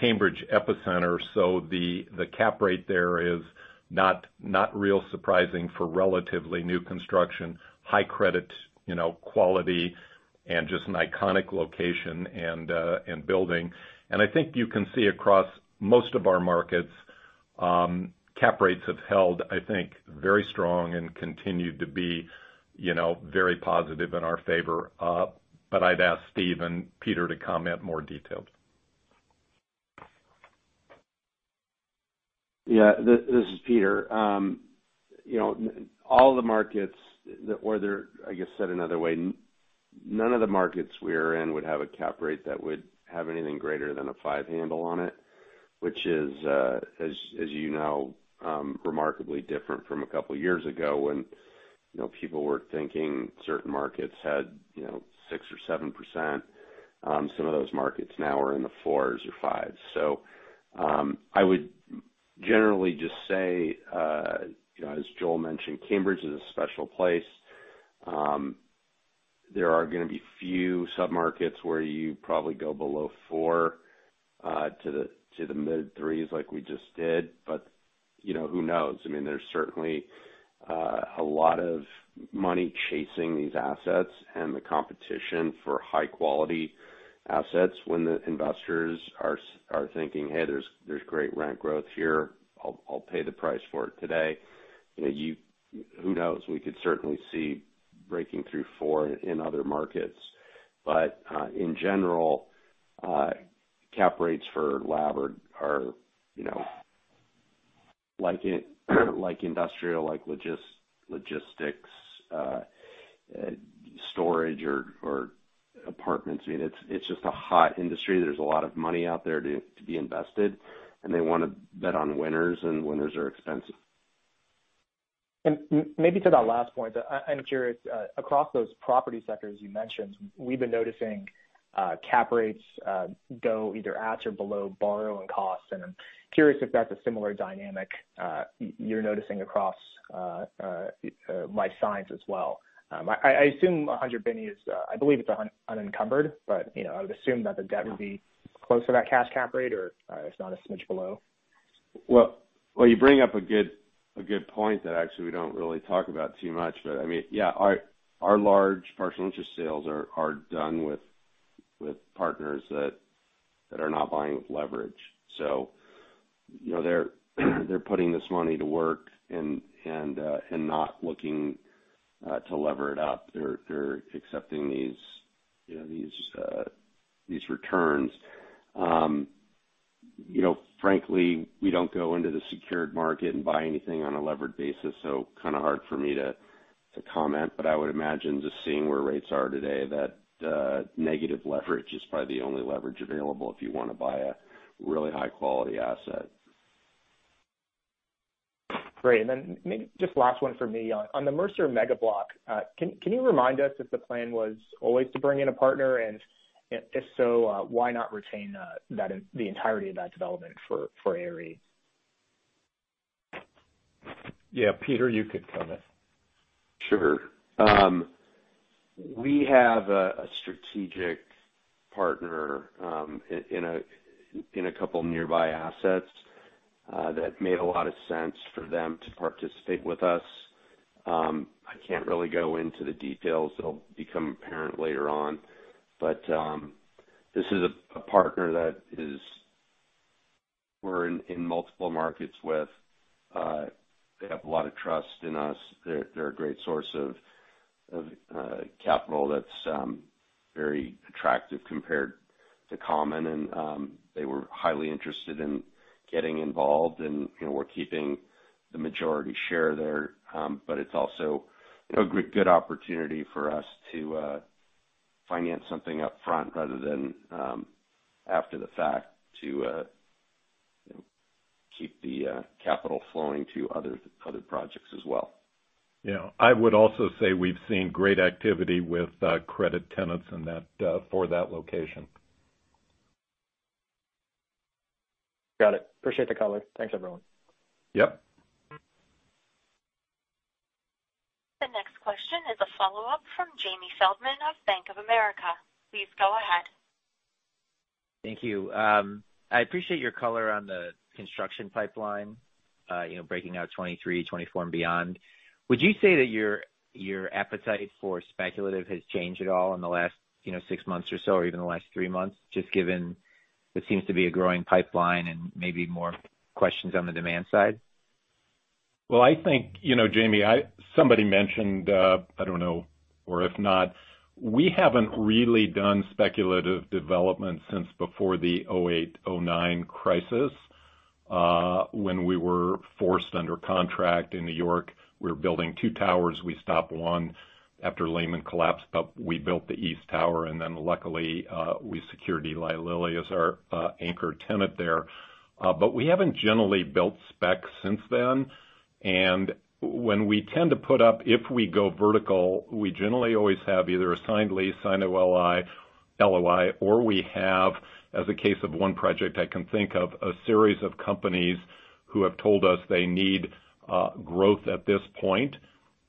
[SPEAKER 3] Cambridge epicenter. So the cap rate there is not real surprising for relatively new construction, high credit, you know, quality and just an iconic location and building. I think you can see across most of our markets, cap rates have held, I think, very strong and continued to be, you know, very positive in our favor. I'd ask Steve and Peter to comment more detailed.
[SPEAKER 5] Yeah. This is Peter. You know, all the markets that were there, I guess, said another way, none of the markets we're in would have a cap rate that would have anything greater than a 5 handle on it, which is, as you know, remarkably different from a couple of years ago when, you know, people were thinking certain markets had, you know, 6% or 7%. Some of those markets now are in the 4s or 5s. I would generally just say, you know, as Joel mentioned, Cambridge is a special place. There are gonna be few submarkets where you probably go below 4 to the mid-3s like we just did. You know, who knows? I mean, there's certainly a lot of money chasing these assets and the competition for high-quality assets when the investors are thinking, "Hey, there's great rent growth here. I'll pay the price for it today." You know, who knows? We could certainly see breaking through 4 in other markets. In general, cap rates for lab are, you know, like industrial, like logistics, storage or apartments. I mean, it's just a hot industry. There's a lot of money out there to be invested, and they wanna bet on winners, and winners are expensive.
[SPEAKER 13] Maybe to that last point, I'm curious across those property sectors you mentioned, we've been noticing cap rates go either at or below borrowing costs. I'm curious if that's a similar dynamic you're noticing across life science as well. I assume 100 Binney is, I believe it's unencumbered, but you know, I would assume that the debt would be close to that cash cap rate or it's not a smidge below.
[SPEAKER 5] Well, you bring up a good point that actually we don't really talk about too much. I mean, yeah, our large partial interest sales are done with partners that are not buying with leverage. You know, they're putting this money to work and not looking to lever it up. They're accepting these, you know, these returns. You know, frankly, we don't go into the secured market and buy anything on a levered basis, so kind of hard for me to comment, but I would imagine just seeing where rates are today, that negative leverage is probably the only leverage available if you wanna buy a really high-quality asset.
[SPEAKER 13] Great. Maybe just last one for me. On the Mercer Mega Block, can you remind us if the plan was always to bring in a partner, and if so, why not retain the entirety of that development for ARE?
[SPEAKER 3] Yeah, Peter, you could cover.
[SPEAKER 5] Sure. We have a strategic partner in a couple nearby assets that made a lot of sense for them to participate with us. I can't really go into the details. It'll become apparent later on. This is a partner we're in multiple markets with. They have a lot of trust in us. They're a great source of capital that's very attractive compared to common, and they were highly interested in getting involved. You know, we're keeping the majority share there, but it's also a good opportunity for us to finance something up front rather than after the fact to keep the capital flowing to other projects as well.
[SPEAKER 3] Yeah. I would also say we've seen great activity with credit tenants in that for that location.
[SPEAKER 13] Got it. Appreciate the color. Thanks, everyone.
[SPEAKER 3] Yep.
[SPEAKER 1] The next question is a follow-up from Jamie Feldman of Bank of America. Please go ahead.
[SPEAKER 7] Thank you. I appreciate your color on the construction pipeline, you know, breaking out 2023, 2024, and beyond. Would you say that your appetite for speculative has changed at all in the last, you know, six months or so, or even the last three months, just given there seems to be a growing pipeline and maybe more questions on the demand side?
[SPEAKER 3] Well, I think, Jamie, somebody mentioned, I don't know, or if not, we haven't really done speculative development since before the 2008, 2009 crisis, when we were first under contract in New York. We were building two towers. We stopped one after Lehman collapsed, but we built the east tower, and then luckily, we secured Eli Lilly as our anchor tenant there. But we haven't generally built specs since then. When we tend to put up, if we go vertical, we generally always have either a signed lease, signed LOI, or we have, as a case of one project I can think of, a series of companies who have told us they need growth at this point,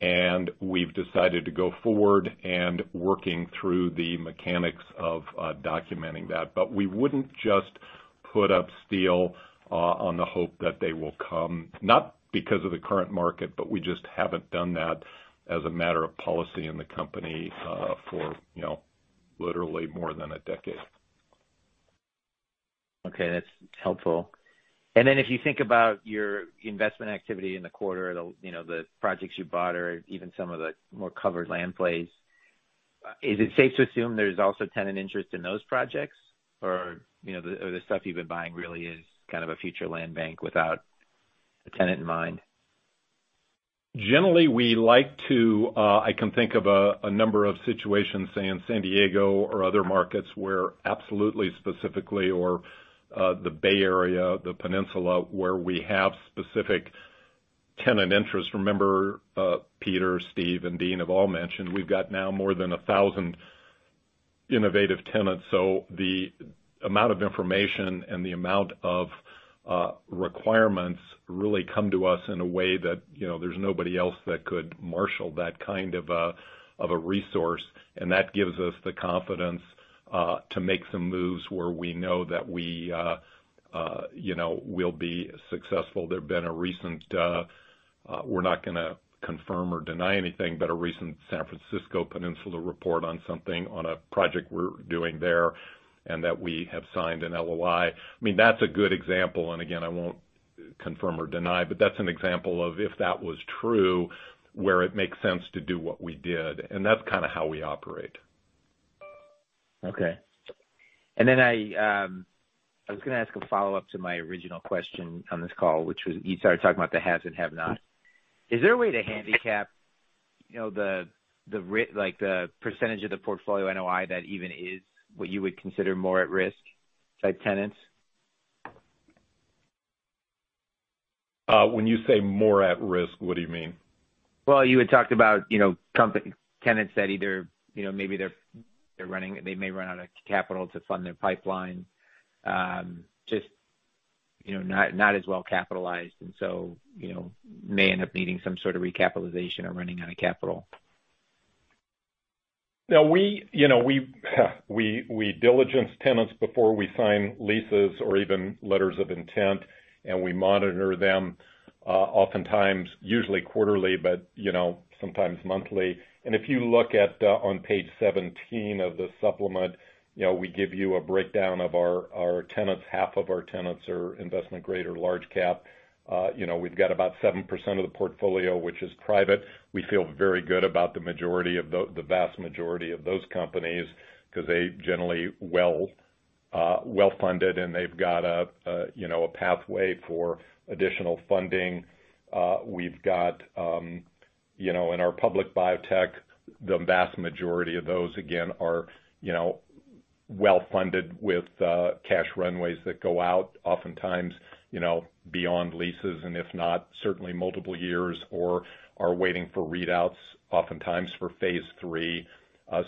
[SPEAKER 3] and we've decided to go forward and working through the mechanics of documenting that. We wouldn't just put up steel on the hope that they will come, not because of the current market, but we just haven't done that as a matter of policy in the company for you know, literally more than a decade.
[SPEAKER 7] Okay. That's helpful. If you think about your investment activity in the quarter, the, you know, the projects you bought or even some of the more covered land plays, is it safe to assume there's also tenant interest in those projects? Or, you know, the, or the stuff you've been buying really is kind of a future land bank without a tenant in mind.
[SPEAKER 3] Generally, we like to, I can think of a number of situations, say, in San Diego or other markets, where specifically the Bay Area, the peninsula, where we have specific tenant interests. Remember, Peter, Steve, and Dean have all mentioned, we've got now more than 1,000 innovative tenants. So the amount of information and the amount of requirements really come to us in a way that, you know, there's nobody else that could marshal that kind of a resource, and that gives us the confidence to make some moves where we know that we, you know, will be successful. There've been a recent. We're not gonna confirm or deny anything, but a recent San Francisco peninsula report on something on a project we're doing there and that we have signed an LOI. I mean, that's a good example, and again, I won't confirm or deny, but that's an example of if that was true, where it makes sense to do what we did, and that's kinda how we operate.
[SPEAKER 7] Okay. I was gonna ask a follow-up to my original question on this call, which was, you started talking about the haves and have-nots. Is there a way to handicap the percentage of the portfolio NOI that even is what you would consider more at risk by tenants?
[SPEAKER 3] When you say more at risk, what do you mean?
[SPEAKER 7] Well, you had talked about, you know, tenants that either, you know, maybe they may run out of capital to fund their pipeline, just, you know, not as well capitalized and so, you know, may end up needing some sort of recapitalization or running out of capital.
[SPEAKER 3] Now, we diligence tenants before we sign leases or even letters of intent, and we monitor them, oftentimes, usually quarterly, but, you know, sometimes monthly. If you look at on page 17 of the supplement, you know, we give you a breakdown of our tenants. Half of our tenants are investment-grade or large cap. We've got about 7% of the portfolio which is private. We feel very good about the vast majority of those companies 'cause they generally well-funded, and they've got a pathway for additional funding. We've got, you know, in our public biotech, the vast majority of those, again, are, you know, well-funded with cash runways that go out oftentimes, you know, beyond leases, and if not, certainly multiple years or are waiting for readouts, oftentimes for phase III.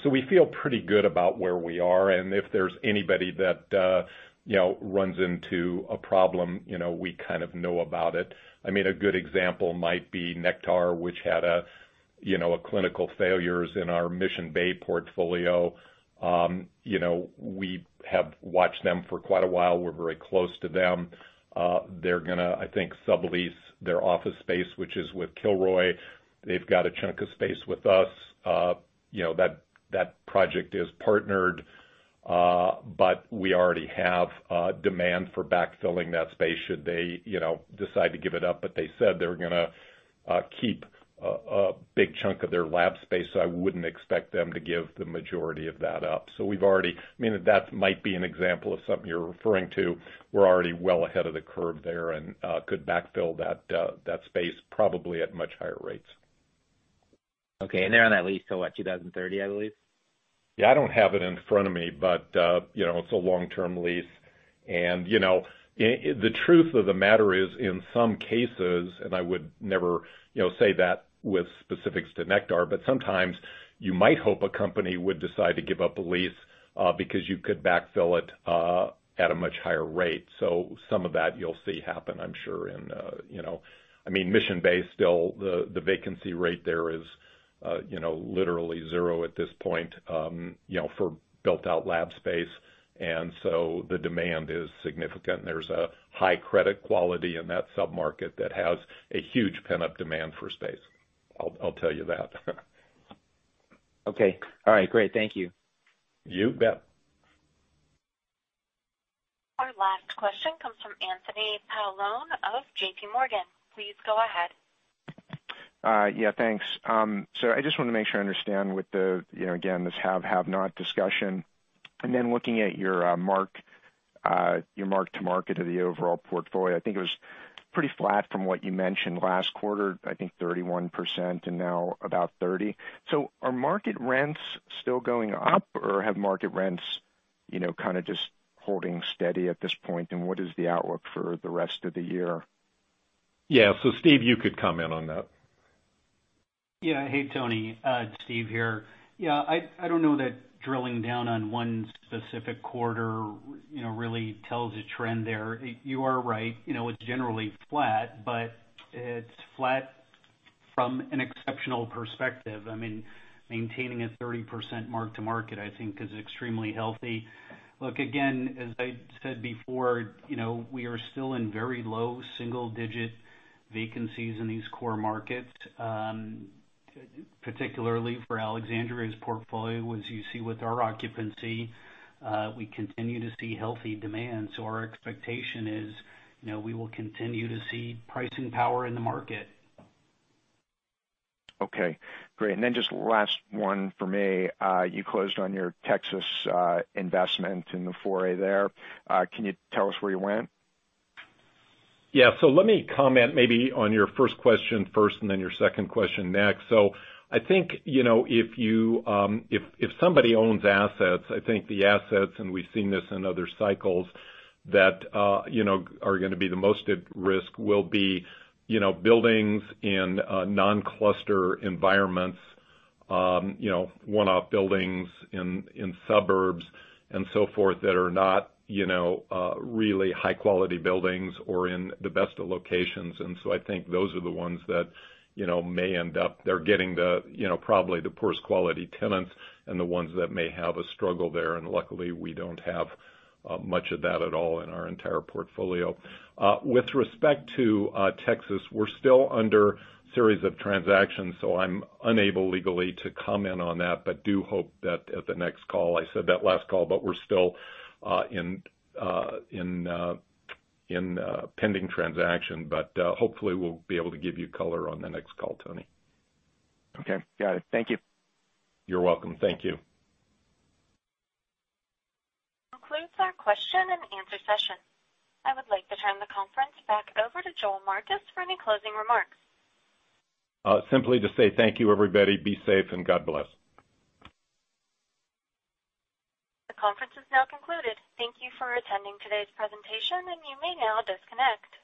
[SPEAKER 3] We feel pretty good about where we are, and if there's anybody that, you know, runs into a problem, you know, we kind of know about it. I mean, a good example might be Nektar, which had a clinical failures in our Mission Bay portfolio. We have watched them for quite a while. We're very close to them. They're gonna, I think, sublease their office space, which is with Kilroy. They've got a chunk of space with us, you know, that project is partnered, but we already have demand for backfilling that space should they, you know, decide to give it up. They said they're gonna keep a big chunk of their lab space, so I wouldn't expect them to give the majority of that up. I mean, that might be an example of something you're referring to. We're already well ahead of the curve there and could backfill that space probably at much higher rates.
[SPEAKER 7] Okay. They're on that lease till what? 2030, I believe.
[SPEAKER 3] Yeah. I don't have it in front of me, but, you know, it's a long-term lease. You know, the truth of the matter is, in some cases, and I would never, you know, say that with specifics to Nektar, but sometimes you might hope a company would decide to give up a lease, because you could backfill it, at a much higher rate. Some of that you'll see happen, I'm sure, in, you know. I mean, Mission Bay, still, the vacancy rate there is, you know, literally zero at this point, you know, for built-out lab space. The demand is significant, and there's a high credit quality in that sub-market that has a huge pent-up demand for space. I'll tell you that.
[SPEAKER 7] Okay. All right, great. Thank you.
[SPEAKER 3] You bet.
[SPEAKER 1] Our last question comes from Anthony Paolone of JPMorgan. Please go ahead.
[SPEAKER 14] Yeah, thanks. I just wanna make sure I understand with the, you know, again, this have/have-not discussion. Looking at your mark-to-market of the overall portfolio, I think it was pretty flat from what you mentioned last quarter, I think 31% and now about 30%. Are market rents still going up, or have market rents, you know, kinda just holding steady at this point, and what is the outlook for the rest of the year?
[SPEAKER 3] Yeah. Steve, you could comment on that.
[SPEAKER 4] Yeah. Hey, Tony, it's Steve here. Yeah, I don't know that drilling down on one specific quarter, you know, really tells a trend there. You are right, you know, it's generally flat, but it's flat from an exceptional perspective. I mean, maintaining a 30% mark-to-market, I think is extremely healthy. Look, again, as I said before, you know, we are still in very low single digit vacancies in these core markets, particularly for Alexandria's portfolio. As you see with our occupancy, we continue to see healthy demand, so our expectation is, you know, we will continue to see pricing power in the market.
[SPEAKER 14] Okay, great. Just last one for me. You closed on your Texas investment in the foray there. Can you tell us where you went?
[SPEAKER 3] Yeah. Let me comment maybe on your first question first and then your second question next. I think, you know, if somebody owns assets, I think the assets, and we've seen this in other cycles, that, you know, are gonna be the most at risk will be, you know, buildings in non-cluster environments, you know, one-off buildings in suburbs and so forth that are not, you know, really high quality buildings or in the best of locations. I think those are the ones that, you know, may end up getting the, you know, probably the poorest quality tenants and the ones that may have a struggle there. Luckily, we don't have much of that at all in our entire portfolio. With respect to Texas, we're still under series of transactions, so I'm unable legally to comment on that, but do hope that at the next call. I said that last call, but we're still in a pending transaction. Hopefully we'll be able to give you color on the next call, Tony.
[SPEAKER 14] Okay. Got it. Thank you.
[SPEAKER 3] You're welcome. Thank you.
[SPEAKER 1] concludes our question and answer session. I would like to turn the conference back over to Joel Marcus for any closing remarks.
[SPEAKER 3] Simply to say thank you, everybody. Be safe and God bless.
[SPEAKER 1] The conference is now concluded. Thank you for attending today's presentation, and you may now disconnect.